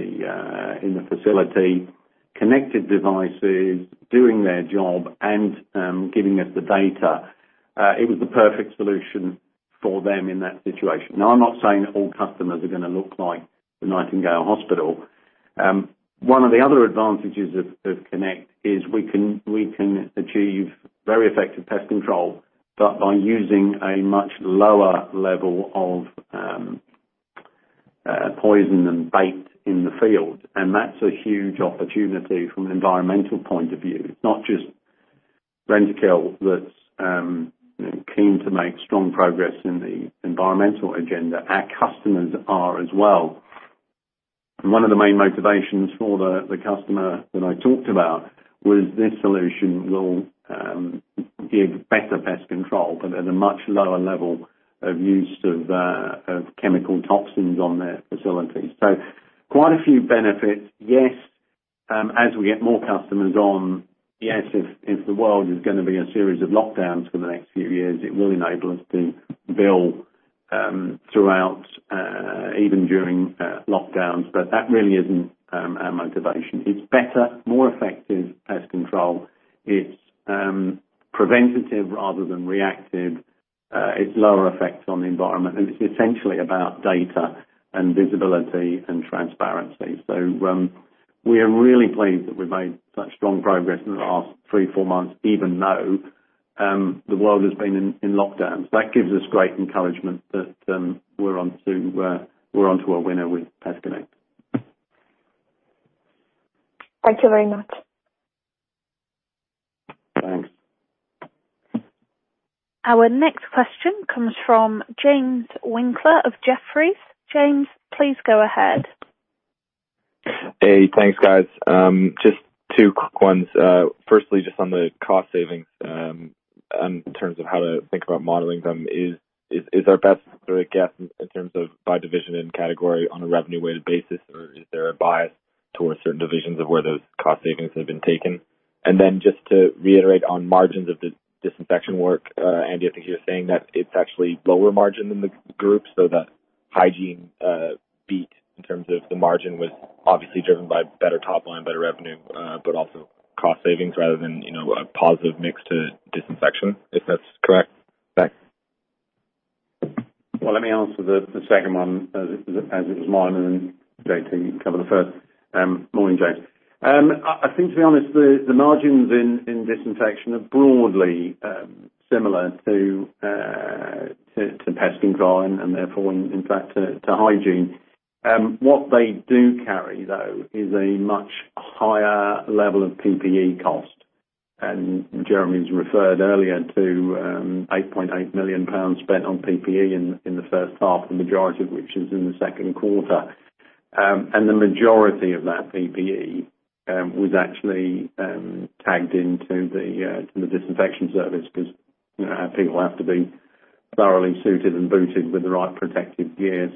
the facility, connected devices, doing their job, and giving us the data. It was the perfect solution for them in that situation. I'm not saying that all customers are going to look like the Nightingale Hospital. One of the other advantages of Connect is we can achieve very effective pest control, but by using a much lower level of poison and bait in the field. That's a huge opportunity from an environmental point of view. It's not just Rentokil that's keen to make strong progress in the environmental agenda. Our customers are as well. One of the main motivations for the customer that I talked about was this solution will give better pest control, but at a much lower level of use of chemical toxins on their facilities. Quite a few benefits. Yes, as we get more customers on, yes, if the world is going to be in a series of lockdowns for the next few years, it will enable us to bill throughout, even during lockdowns. That really isn't our motivation. It's better, more effective pest control. It's preventative rather than reactive. It's lower effects on the environment, and it's essentially about data and visibility and transparency. We are really pleased that we've made such strong progress in the last three, four months, even though the world has been in lockdown. That gives us great encouragement that we're onto a winner with PestConnect. Thank you very much. Thanks. Our next question comes from James Winckler of Jefferies. James, please go ahead. Hey, thanks, guys. Just two quick ones. Firstly, just on the cost savings, in terms of how to think about modeling them, is our best sort of guess in terms of by division and category on a revenue weighted basis, or is there a bias towards certain divisions of where those cost savings have been taken? Just to reiterate on margins of the disinfection work, Andy, I think you were saying that it's actually lower margin than the group, so that hygiene beat in terms of the margin was obviously driven by better top line, better revenue, but also cost savings rather than a positive mix to disinfection, if that's correct. Well, let me answer the second one as it was mine, and then JT, you can cover the first. Morning, James. I think to be honest, the margins in disinfection are broadly similar to Pest Control and therefore, in fact, to hygiene. What they do carry though is a much higher level of PPE cost, and Jeremy's referred earlier to 8.8 million pounds spent on PPE in the first half, the majority of which is in the second quarter. The majority of that PPE was actually tagged into the disinfection service because people have to be thoroughly suited and booted with the right protective gear.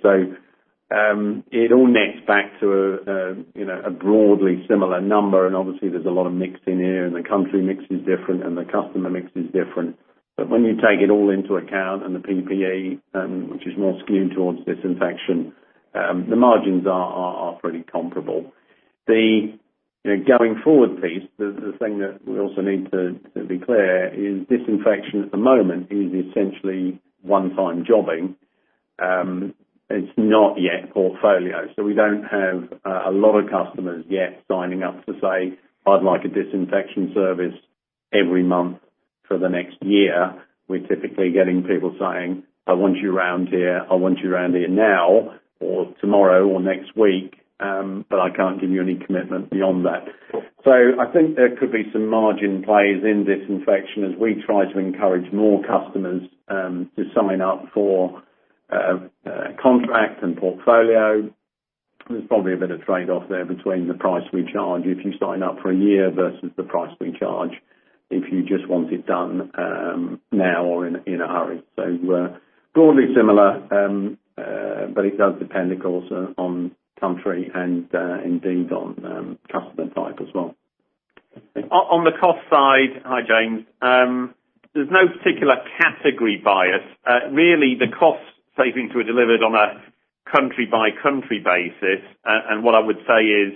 It all nets back to a broadly similar number, and obviously there's a lot of mix in here, and the country mix is different and the customer mix is different. When you take it all into account and the PPE, which is more skewed towards disinfection, the margins are pretty comparable. The going forward piece, the thing that we also need to be clear is disinfection at the moment is essentially one-time jobbing. It's not yet portfolio. We don't have a lot of customers yet signing up to say, 'I'd like a disinfection service every month for the next year.' We're typically getting people saying, 'I want you around here, I want you around here now or tomorrow or next week, but I can't give you any commitment beyond that.' I think there could be some margin plays in disinfection as we try to encourage more customers to sign up for contract and portfolio. There is probably a bit of trade-off there between the price we charge if you sign up for a year versus the price we charge if you just want it done now or in a hurry. Broadly similar, but it does depend of course, on country and indeed on customer type as well. Hi, James. There's no particular category bias. Really, the cost savings were delivered on a country-by-country basis. What I would say is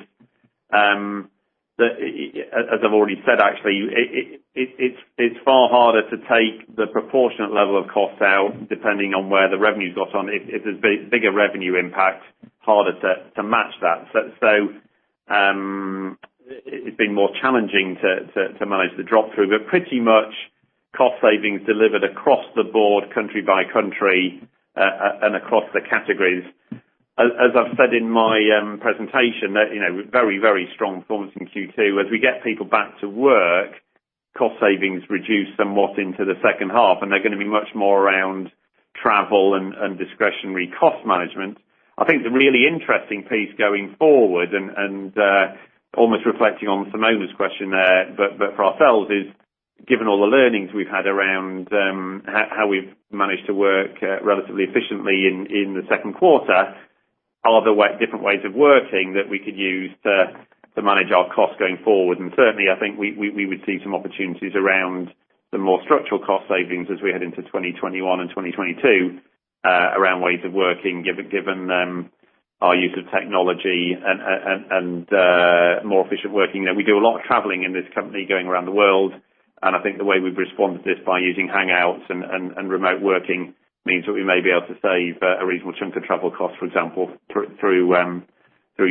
that, as I've already said actually, it's far harder to take the proportionate level of cost out depending on where the revenue's got on. If there's bigger revenue impact, harder to match that. It's been more challenging to manage the drop-through, but pretty much cost savings delivered across the board, country by country, and across the categories. As I've said in my presentation, very strong performance in Q2. As we get people back to work, cost savings reduce somewhat into the second half, and they're going to be much more around travel and discretionary cost management. I think the really interesting piece going forward and almost reflecting on Simona's question there, but for ourselves is, given all the learnings we've had around how we've managed to work relatively efficiently in the second quarter, are there different ways of working that we could use to manage our costs going forward? Certainly, I think we would see some opportunities around the more structural cost savings as we head into 2021 and 2022, around ways of working, given our use of technology and more efficient working. We do a lot of traveling in this company, going around the world, and I think the way we've responded to this by using Hangouts and remote working means that we may be able to save a reasonable chunk of travel cost, for example, through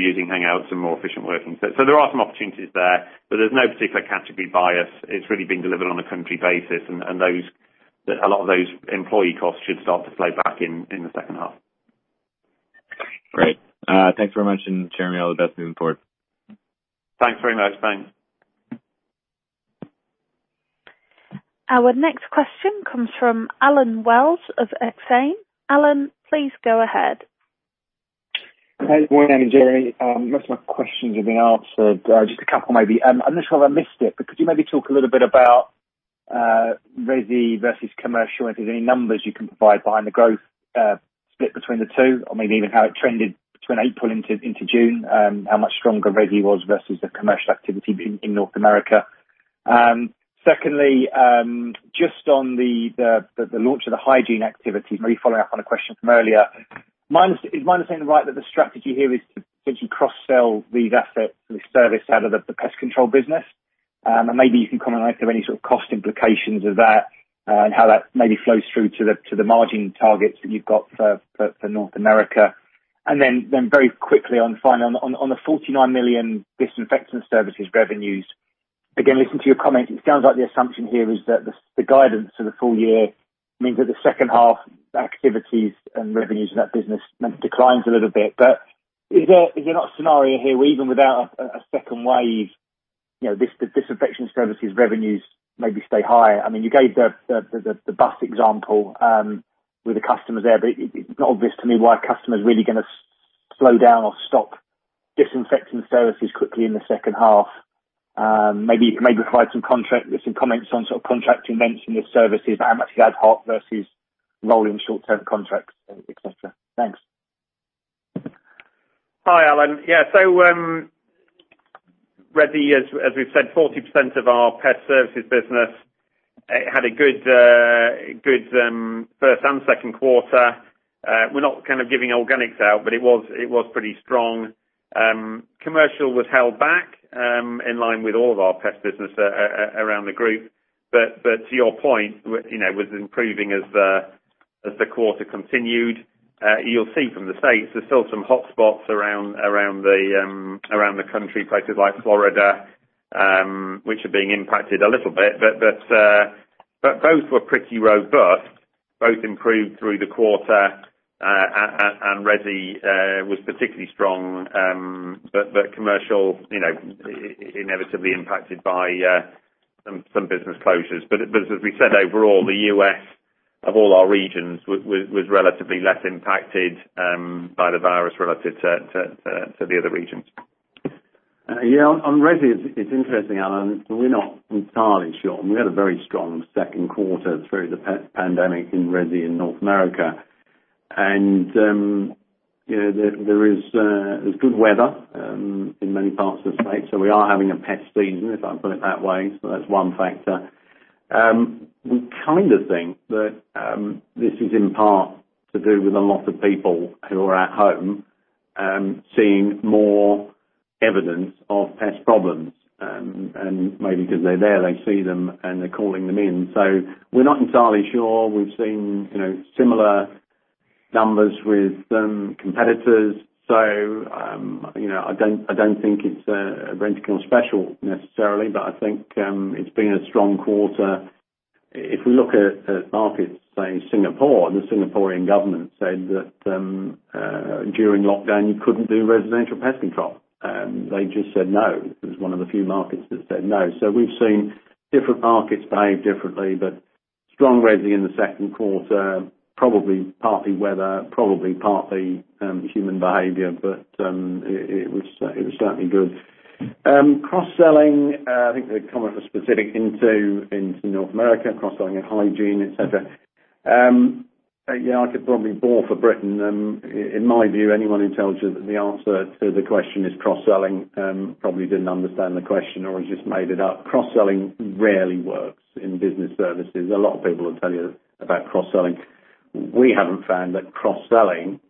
using Hangouts and more efficient working. There are some opportunities there, but there's no particular category bias. It's really been delivered on a country basis and a lot of those employee costs should start to flow back in the second half. Great. Thanks very much. Jeremy, all the best moving forward. Thanks very much. Thanks. Our next question comes from Allen Wells of Exane. Allen, please go ahead. Hi. Good morning, Jeremy. Most of my questions have been answered, just a couple maybe. I'm not sure if I missed it, but could you maybe talk a little bit about resi versus commercial, if there's any numbers you can provide behind the growth split between the two or maybe even how it trended between April into June, how much stronger resi was versus the commercial activity in North America. Just on the launch of the hygiene activity, maybe following up on a question from earlier. Am I understanding right that the strategy here is to potentially cross-sell these assets and the service out of the pest control business? Maybe you can comment on if there are any sort of cost implications of that, and how that maybe flows through to the margin targets that you've got for North America. Very quickly on the 49 million disinfection services revenues. Listening to your comments, it sounds like the assumption here is that the guidance for the full year means that the second half activities and revenues in that business declines a little bit. Is there not a scenario here where even without a second wave, the disinfection services revenues maybe stay high? You gave the bus example with the customers there, it's not obvious to me why a customer is really going to slow down or stop disinfecting services quickly in the second half. You could provide some comments on sort of contracting nature of services, how much ad hoc versus rolling short-term contracts, et cetera. Thanks. Hi, Allen. Resi, as we've said, 40% of our pest services business had a good first and second quarter. We're not kind of giving organics out, it was pretty strong. Commercial was held back in line with all of our pest business around the group. To your point, was improving as the quarter continued. You'll see from the U.S., there's still some hot spots around the country, places like Florida, which are being impacted a little bit. Both were pretty robust, both improved through the quarter, and resi was particularly strong. Commercial, inevitably impacted by some business closures. As we said overall, the U.S., of all our regions, was relatively less impacted by the virus relative to the other regions. Yeah, on resi, it's interesting, Allen. We're not entirely sure. We had a very strong second quarter through the pandemic in resi in North America. There's good weather in many parts of the States, so we are having a pest season, if I put it that way. That's one factor. We kind of think that this is in part to do with a lot of people who are at home, seeing more evidence of pest problems, and maybe because they're there, they see them and they're calling them in. We're not entirely sure. We've seen similar numbers with some competitors. I don't think it's Rentokil special necessarily, but I think it's been a strong quarter. If we look at markets, say Singapore, the Singaporean government said that during lockdown, you couldn't do residential pest control. They just said no. It was one of the few markets that said no. We've seen different markets behave differently, but strong resi in the second quarter, probably partly weather, probably partly human behavior. It was certainly good. Cross-selling, I think the comment was specific into North America, cross-selling and hygiene, et cetera. Yeah, I could probably bore for Britain. In my view, anyone who tells you that the answer to the question is cross-selling, probably didn't understand the question or has just made it up. Cross-selling rarely works in business services. A lot of people will tell you about cross-selling. We haven't found that cross-selling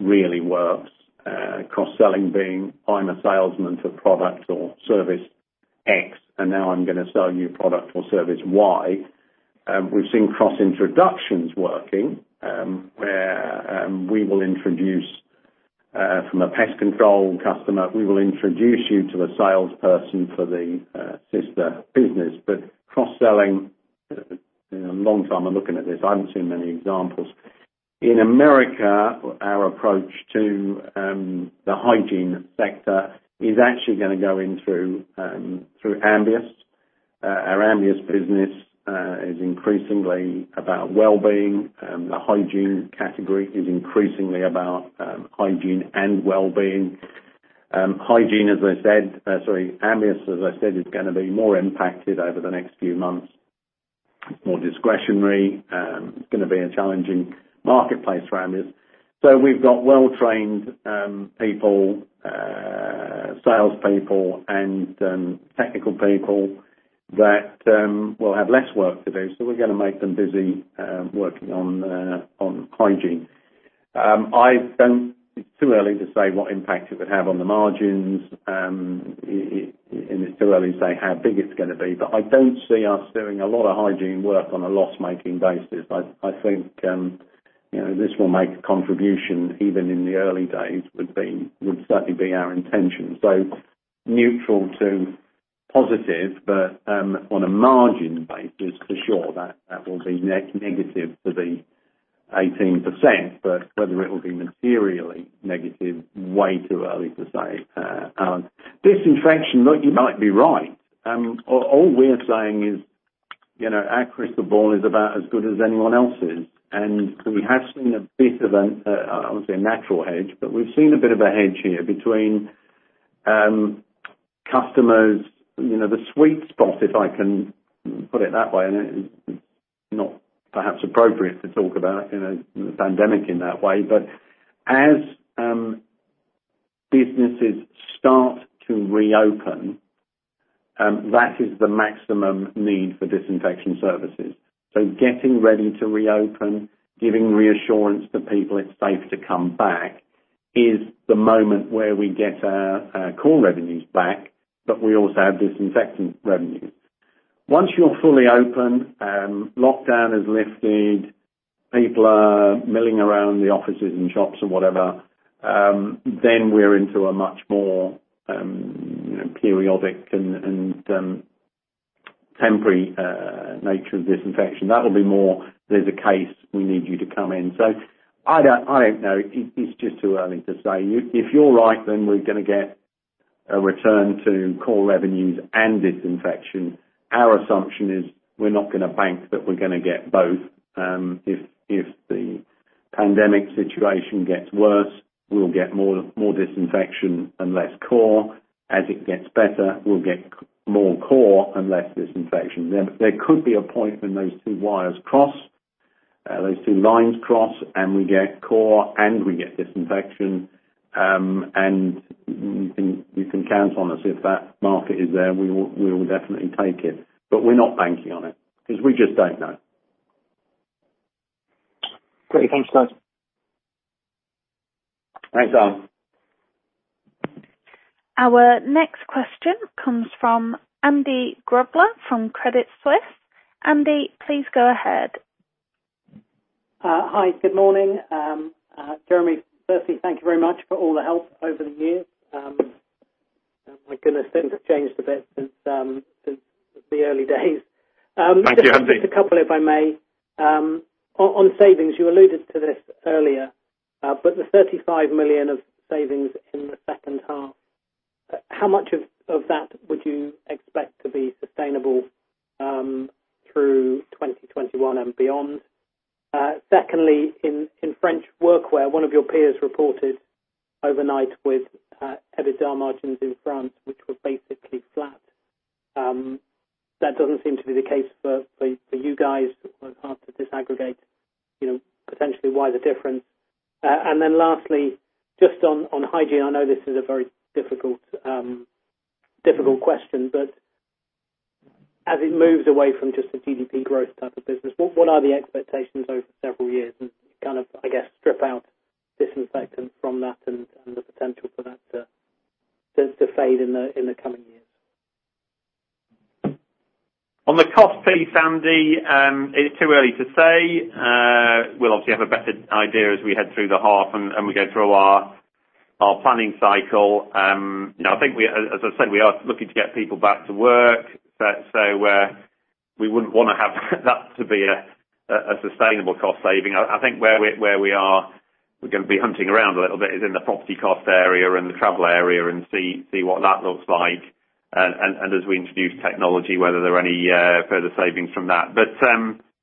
really works. Cross-selling being, I'm a salesman to product or service X, and now I'm going to sell you product or service Y. We've seen cross-introductions working, where we will introduce from a Pest Control customer, we will introduce you to a salesperson for the sister business. Cross-selling, long time I'm looking at this, I haven't seen many examples. In the U.S., our approach to the hygiene sector is actually going to go in through Ambius. Our Ambius business is increasingly about well-being. The hygiene category is increasingly about hygiene and well-being. Ambius, as I said, is going to be more impacted over the next few months, more discretionary. It's going to be a challenging marketplace for Ambius. We've got well-trained people, salespeople and technical people that will have less work to do. We're going to make them busy working on hygiene. It's too early to say what impact it would have on the margins, and it's too early to say how big it's going to be, but I don't see us doing a lot of hygiene work on a loss-making basis. I think, this will make a contribution even in the early days, would certainly be our intention. Neutral to positive, but on a margin basis, for sure, that will be negative to the 18%, but whether it will be materially negative, way too early to say. Disinfection, you might be right. All we're saying is, our crystal ball is about as good as anyone else's, and we have seen a bit of a, I wouldn't say a natural hedge, but we've seen a bit of a hedge here between customers. The sweet spot, if I can put it that way, and it is not perhaps appropriate to talk about the pandemic in that way. As businesses start to reopen, that is the maximum need for disinfection services. Getting ready to reopen, giving reassurance to people it's safe to come back, is the moment where we get our core revenues back, but we also have disinfectant revenues. Once you're fully open, lockdown is lifted, people are milling around the offices and shops or whatever, then we're into a much more periodic and temporary nature of disinfection. That will be more, there's a case, we need you to come in. I don't know. It's just too early to say. If you're right, we're going to get a return to core revenues and disinfection. Our assumption is we're not going to bank that we're going to get both. If the pandemic situation gets worse, we'll get more disinfection and less core. As it gets better, we'll get more core and less disinfection. There could be a point when those two wires cross, those two lines cross, and we get core, and we get disinfection. You can count on us. If that market is there, we will definitely take it. We're not banking on it because we just don't know. Great. Thanks guys. Thanks, Allen. Our next question comes from Andy Grobler from Credit Suisse. Andy, please go ahead. Hi. Good morning. Jeremy, firstly, thank you very much for all the help over the years. My goodness, things have changed a bit since the early days. Thank you, Andy. Just a couple if I may. On savings, you alluded to this earlier, but the 35 million of savings in the second half, how much of that would you expect to be sustainable through 2021 and beyond? Secondly, in French workwear, one of your peers reported overnight with EBITDA margins in France, which were basically flat. That doesn't seem to be the case for you guys. It was hard to disaggregate potentially why the difference. Lastly, just on hygiene, I know this is a very difficult question, but as it moves away from just the GDP growth type of business, what are the expectations over several years and, I guess, strip out disinfectant from that and the potential for that to fade in the coming years? On the cost piece, Andy, it's too early to say. We'll obviously have a better idea as we head through the half and we go through our planning cycle. I think, as I said, we are looking to get people back to work. We wouldn't want to have that to be a sustainable cost saving. I think where we are, we're going to be hunting around a little bit is in the property cost area and the travel area and see what that looks like. As we introduce technology, whether there are any further savings from that.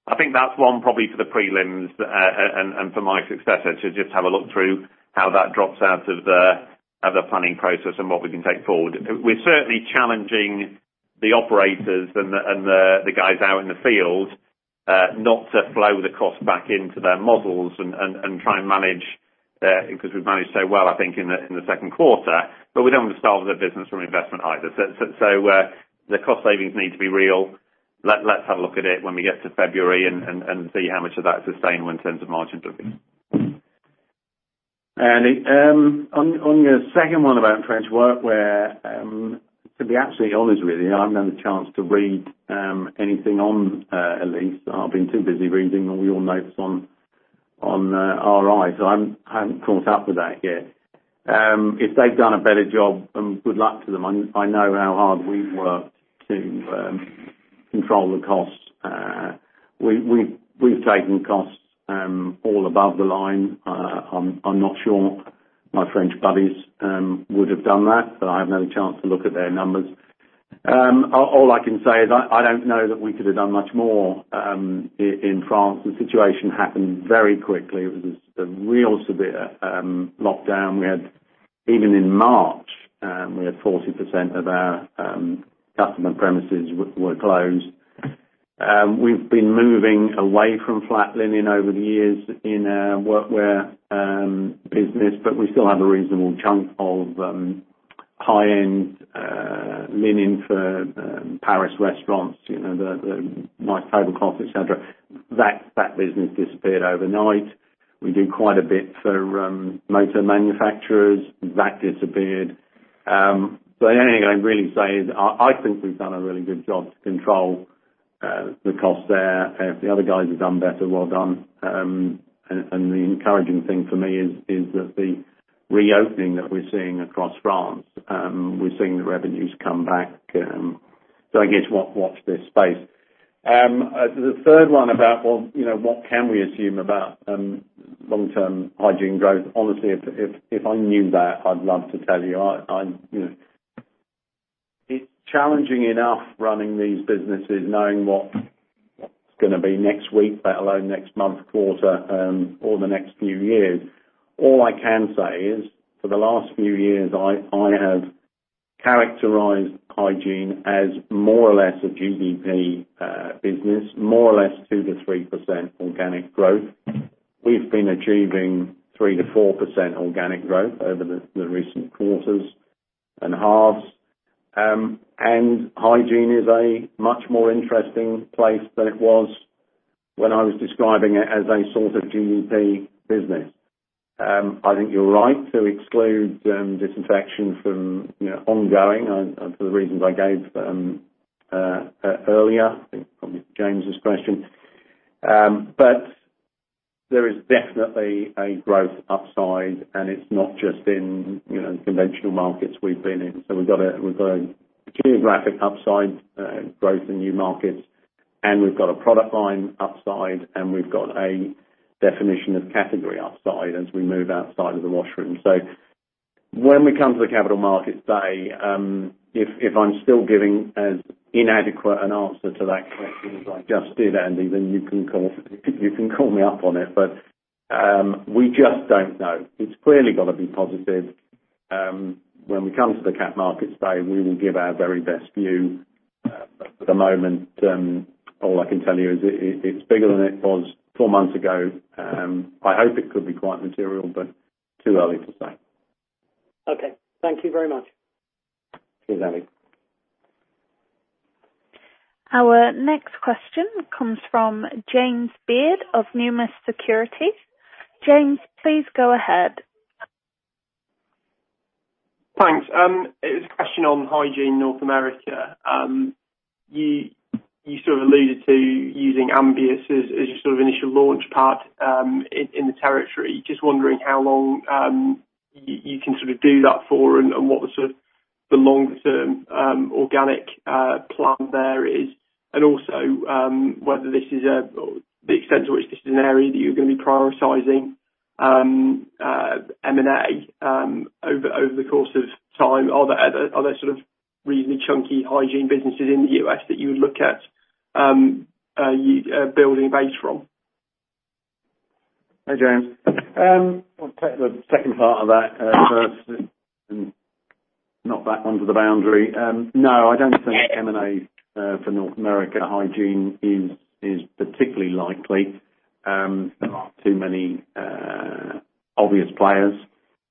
I think that's one probably for the prelims, and for my successor to just have a look through how that drops out of the planning process and what we can take forward. We're certainly challenging the operators and the guys out in the field, not to flow the cost back into their models and try and manage, because we've managed so well, I think, in the second quarter, but we don't want to starve the business from investment either. The cost savings need to be real. Let's have a look at it when we get to February and see how much of that's sustainable in terms of margin bookings. Andy, on your second one about French workwear, to be absolutely honest with you, I've never had the chance to read anything on Elis. I've been too busy reading all your notes on RI. I haven't caught up with that yet. If they've done a better job, then good luck to them. I know how hard we've worked to control the costs. We've taken costs all above the line. I'm not sure my French buddies would have done that, but I have no chance to look at their numbers. All I can say is I don't know that we could have done much more in France. The situation happened very quickly. It was a real severe lockdown. Even in March, we had 40% of our customer premises were closed. We've been moving away from flat linen over the years in our workwear business, but we still have a reasonable chunk of high-end linen for Paris restaurants, the nice tablecloth, et cetera. That business disappeared overnight. We do quite a bit for motor manufacturers. That disappeared. Anyway, what I'm really saying is I think we've done a really good job to control the costs there. If the other guys have done better, well done. The encouraging thing for me is that the reopening that we're seeing across France, we're seeing the revenues come back. I guess watch this space. The third one about what can we assume about long-term hygiene growth. Honestly, if I knew that, I'd love to tell you. It's challenging enough running these businesses, knowing what it's going to be next week, let alone next month, quarter, or the next few years. All I can say is for the last few years, I have characterized hygiene as more or less a GDP business, more or less 2%-3% organic growth. We've been achieving 3%-4% organic growth over the recent quarters and halves. Hygiene is a much more interesting place than it was when I was describing it as a sort of GDP business. I think you're right to exclude disinfection from ongoing for the reasons I gave earlier, I think probably James's question. There is definitely a growth upside, and it's not just in conventional markets we've been in. We've got a geographic upside growth in new markets, and we've got a product line upside, and we've got a definition of category upside as we move outside of the washroom. When we come to the Capital Markets Day, if I'm still giving as inadequate an answer to that question as I just did, Andy, then you can call me up on it. We just don't know. It's clearly got to be positive. When we come to the Cap Markets Day, we will give our very best view. For the moment, all I can tell you is it's bigger than it was four months ago. I hope it could be quite material, but too early to say. Okay. Thank you very much. Cheers, Andy. Our next question comes from James Beard of Numis Securities. James, please go ahead. Thanks. It was a question on hygiene North America. You sort of alluded to using Ambius as your initial launch pad in the territory. Just wondering how long you can do that for and what the long-term organic plan there is. Also, the extent to which this is an area that you're going to be prioritizing M&A over the course of time. Are there sort of reasonably chunky hygiene businesses in the U.S. that you would look at building a base from? Hey, James. I'll take the second part of that first and knock that one to the boundary. No, I don't think M&A for North America hygiene is particularly likely. There aren't too many obvious players.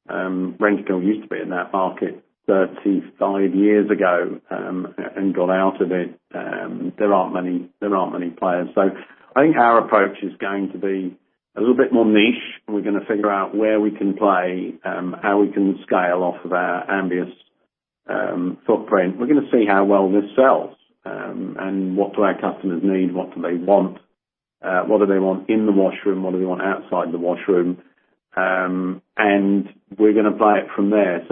Rentokil used to be in that market 35 years ago and got out of it. There aren't many players. I think our approach is going to be a little bit more niche, and we're going to figure out where we can play, how we can scale off of our Ambius footprint. We're going to see how well this sells and what do our customers need, what do they want? What do they want in the washroom? What do they want outside the washroom? We're going to play it from there.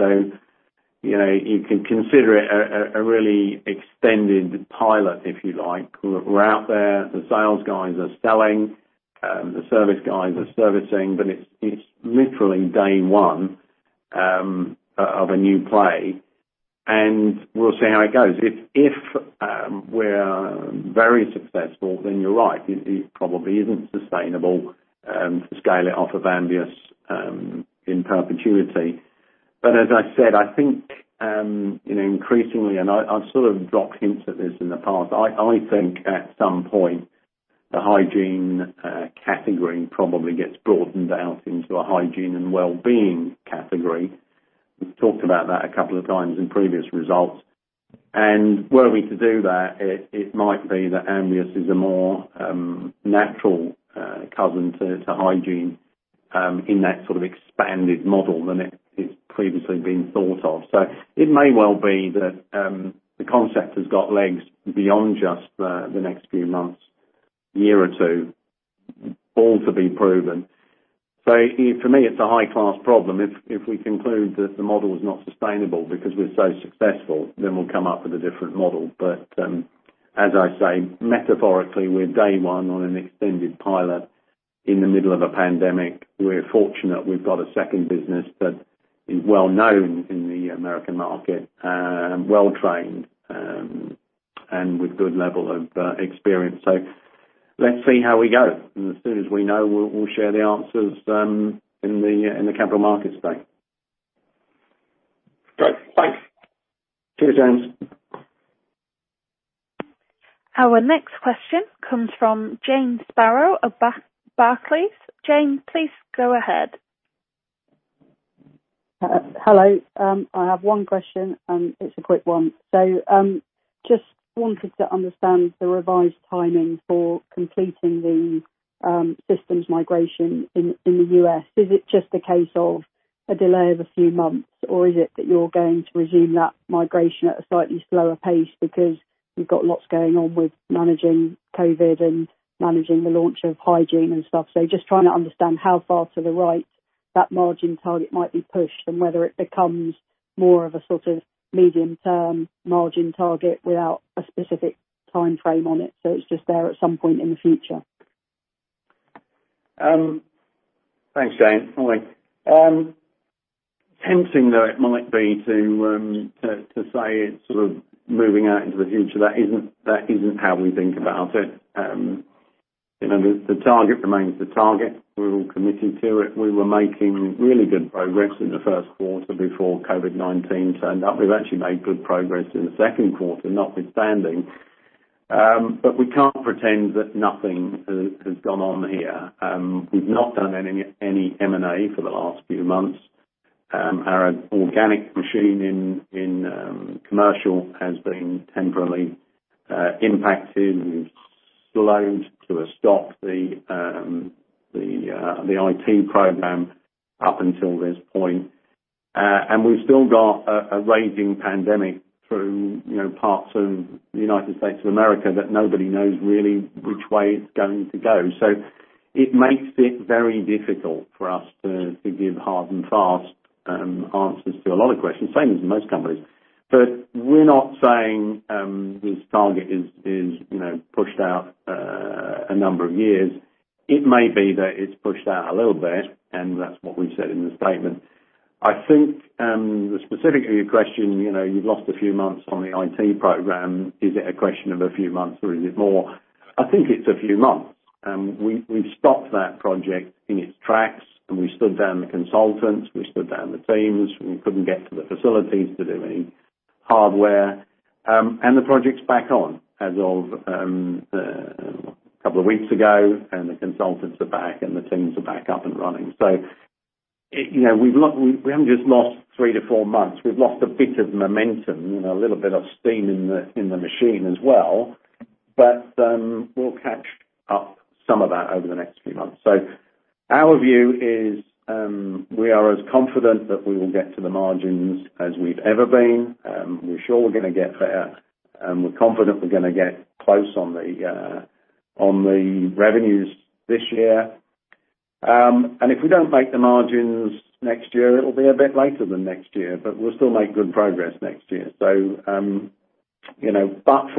You can consider it a really extended pilot, if you like. We're out there. The sales guys are selling. The service guys are servicing. It's literally day one of a new play, and we'll see how it goes. If we're very successful, you're right. It probably isn't sustainable to scale it off of Ambius in perpetuity. As I said, I think, increasingly, and I've sort of dropped hints at this in the past, I think at some point, the hygiene category probably gets broadened out into a hygiene and wellbeing category. We've talked about that a couple of times in previous results. Were we to do that, it might be that Ambius is a more natural cousin to hygiene in that sort of expanded model than it has previously been thought of. It may well be that the concept has got legs beyond just the next few months, year or two. All to be proven. For me, it's a high-class problem. If we conclude that the model is not sustainable because we're so successful, then we'll come up with a different model. As I say, metaphorically, we're day one on an extended pilot in the middle of a pandemic. We're fortunate we've got a second business that is well-known in the American market and well-trained and with good level of experience. Let's see how we go, and as soon as we know, we'll share the answers in the Capital Markets Day. Great. Thanks. Cheers, James. Our next question comes from Jane Sparrow of Barclays. Jane, please go ahead. Hello. I have one question, and it's a quick one. Just wanted to understand the revised timing for completing the systems migration in the U.S. Is it just a case of a delay of a few months, or is it that you're going to resume that migration at a slightly slower pace because you've got lots going on with managing COVID and managing the launch of hygiene and stuff? Just trying to understand how far to the right that margin target might be pushed and whether it becomes more of a sort of medium-term margin target without a specific timeframe on it, so it's just there at some point in the future. Thanks, Jane. Morning. Tempting though it might be to say it's sort of moving out into the future, that isn't how we think about it. The target remains the target. We're all committed to it. We were making really good progress in the first quarter before COVID-19 turned up. We've actually made good progress in the second quarter, notwithstanding. We can't pretend that nothing has gone on here. We've not done any M&A for the last few months. Our organic machine in commercial has been temporarily impacted and slowed to a stop the IT program up until this point. We've still got a raging pandemic through parts of the United States of America that nobody knows really which way it's going to go. It makes it very difficult for us to give hard and fast answers to a lot of questions, same as most companies. We're not saying this target is pushed out a number of years. It may be that it's pushed out a little bit, and that's what we've said in the statement. I think the specific of your question, you've lost a few months on the IT program. Is it a question of a few months or is it more? I think it's a few months. We've stopped that project in its tracks, and we stood down the consultants, we stood down the teams. We couldn't get to the facilities to do any hardware. The project's back on as of a couple of weeks ago, and the consultants are back, and the teams are back up and running. We haven't just lost three to fourmonths, we've lost a bit of momentum, a little bit of steam in the machine as well. We'll catch up some of that over the next few months. Our view is, we are as confident that we will get to the margins as we've ever been. We're sure we're going to get there. We're confident we're going to get close on the revenues this year. If we don't make the margins next year, it'll be a bit later than next year, but we'll still make good progress next year.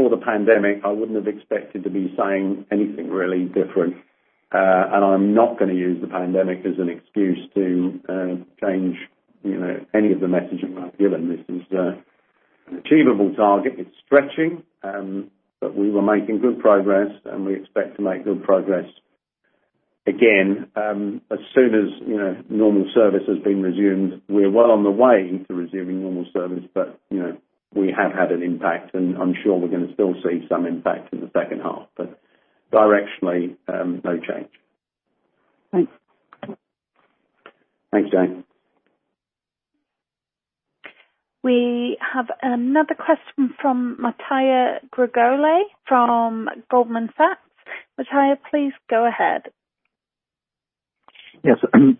For the pandemic, I wouldn't have expected to be saying anything really different. I'm not going to use the pandemic as an excuse to change any of the messaging I've given. This is an achievable target. It's stretching, but we were making good progress, and we expect to make good progress again, as soon as normal service has been resumed. We're well on the way to resuming normal service, but we have had an impact and I'm sure we're going to still see some impact in the second half. Directionally, no change. Thanks. Thanks, Jane. We have another question from Matija Gergolet from Goldman Sachs. Matija, please go ahead. Yes.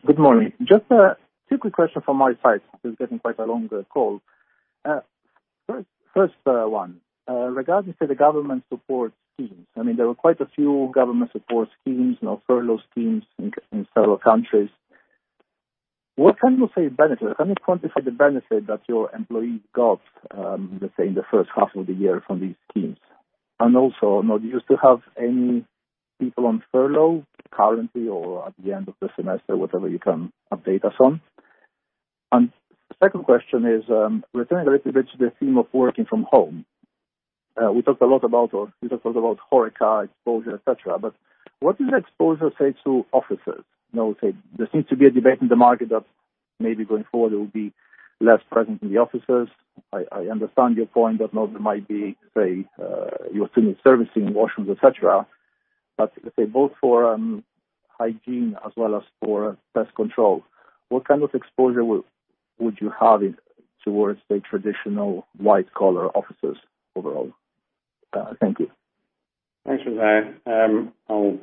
Good morning. Just a two quick question from my side. This is getting quite a long call. First one, regarding to the government support schemes. There were quite a few government support schemes and furlough schemes in several countries. What kind of benefit, can you quantify the benefit that your employees got, let's say, in the first half of the year from these schemes? Also, do you still have any people on furlough currently or at the end of the semester, whatever you can update us on? Second question is, returning a little bit to the theme of working from home. We talked a lot about HoReCa exposure, et cetera, what is the exposure, say, to offices? There seems to be a debate in the market of maybe going forward there will be less presence in the offices. I understand your point that now there might be, say, you still need servicing, washrooms, et cetera. Let's say both for hygiene as well as for pest control, what kind of exposure would you have towards the traditional white-collar offices overall? Thank you. Thanks, Matija. I'll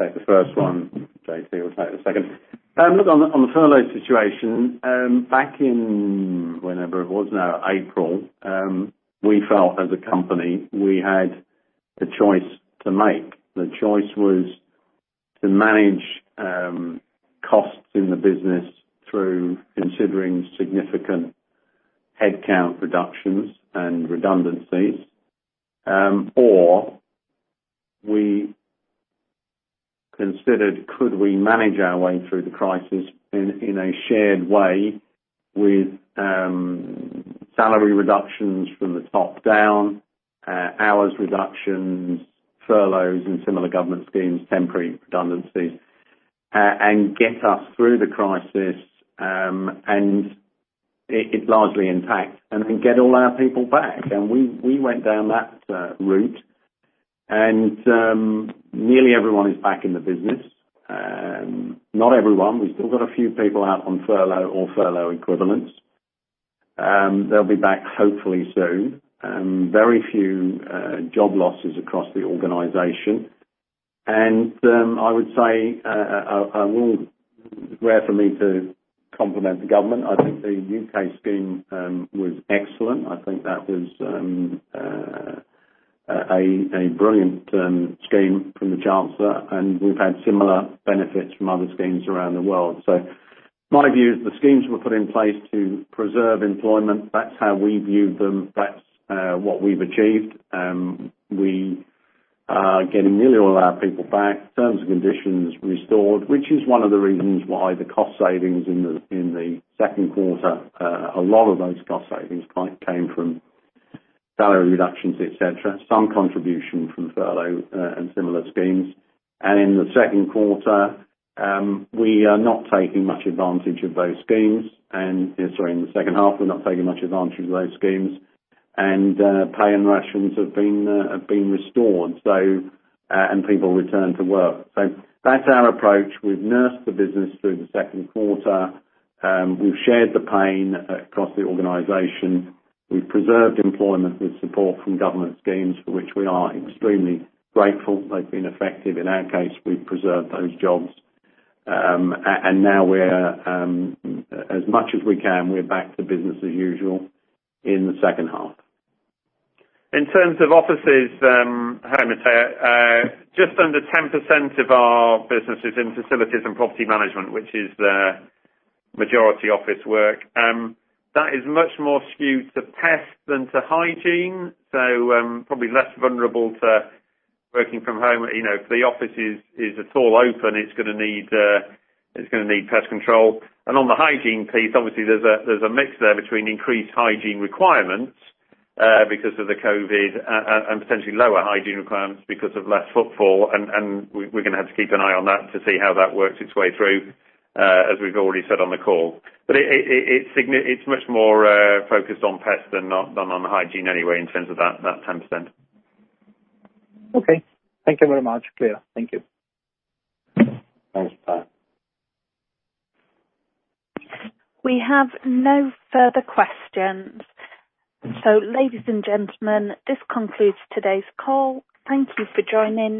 take the first one. JT will take the second. On the furlough situation, back in whenever it was now, April, we felt as a company, we had a choice to make. The choice was to manage costs in the business through considering significant headcount reductions and redundancies. We considered, could we manage our way through the crisis in a shared way with salary reductions from the top down, hours reductions, furloughs, and similar government schemes, temporary redundancies, and get us through the crisis, and it largely intact, and then get all our people back. We went down that route. Nearly everyone is back in the business. Not everyone. We've still got a few people out on furlough or furlough equivalents. They'll be back hopefully soon. Very few job losses across the organization. I would say, rare for me to compliment the government. I think the U.K. scheme was excellent. I think that was a brilliant scheme from the chancellor. We've had similar benefits from other schemes around the world. My view is the schemes were put in place to preserve employment. That's how we viewed them. That's what we've achieved. We are getting nearly all our people back, terms and conditions restored, which is one of the reasons why the cost savings in the second quarter, a lot of those cost savings came from salary reductions, et cetera. Some contribution from furlough and similar schemes. In the second quarter, we are not taking much advantage of those schemes. Sorry, in the second half, we're not taking much advantage of those schemes. Pay and rations have been restored and people return to work. That's our approach. We've nursed the business through the second quarter. We've shared the pain across the organization. We've preserved employment with support from government schemes, for which we are extremely grateful. They've been effective. In our case, we've preserved those jobs. Now we're, as much as we can, we're back to business as usual in the second half. In terms of offices, hi Matija, just under 10% of our business is in facilities and property management, which is the majority office work. That is much more skewed to pest than to hygiene, so probably less vulnerable to working from home. If the office is at all open, it's going to need pest control. On the hygiene piece, obviously, there's a mix there between increased hygiene requirements because of the COVID-19, and potentially lower hygiene requirements because of less footfall, and we're going to have to keep an eye on that to see how that works its way through, as we've already said on the call. It's much more focused on pest than on hygiene anyway, in terms of that 10%. Okay. Thank you very much. Clear. Thank you. Thanks, Matt. We have no further questions. Ladies and gentlemen, this concludes today's call. Thank you for joining.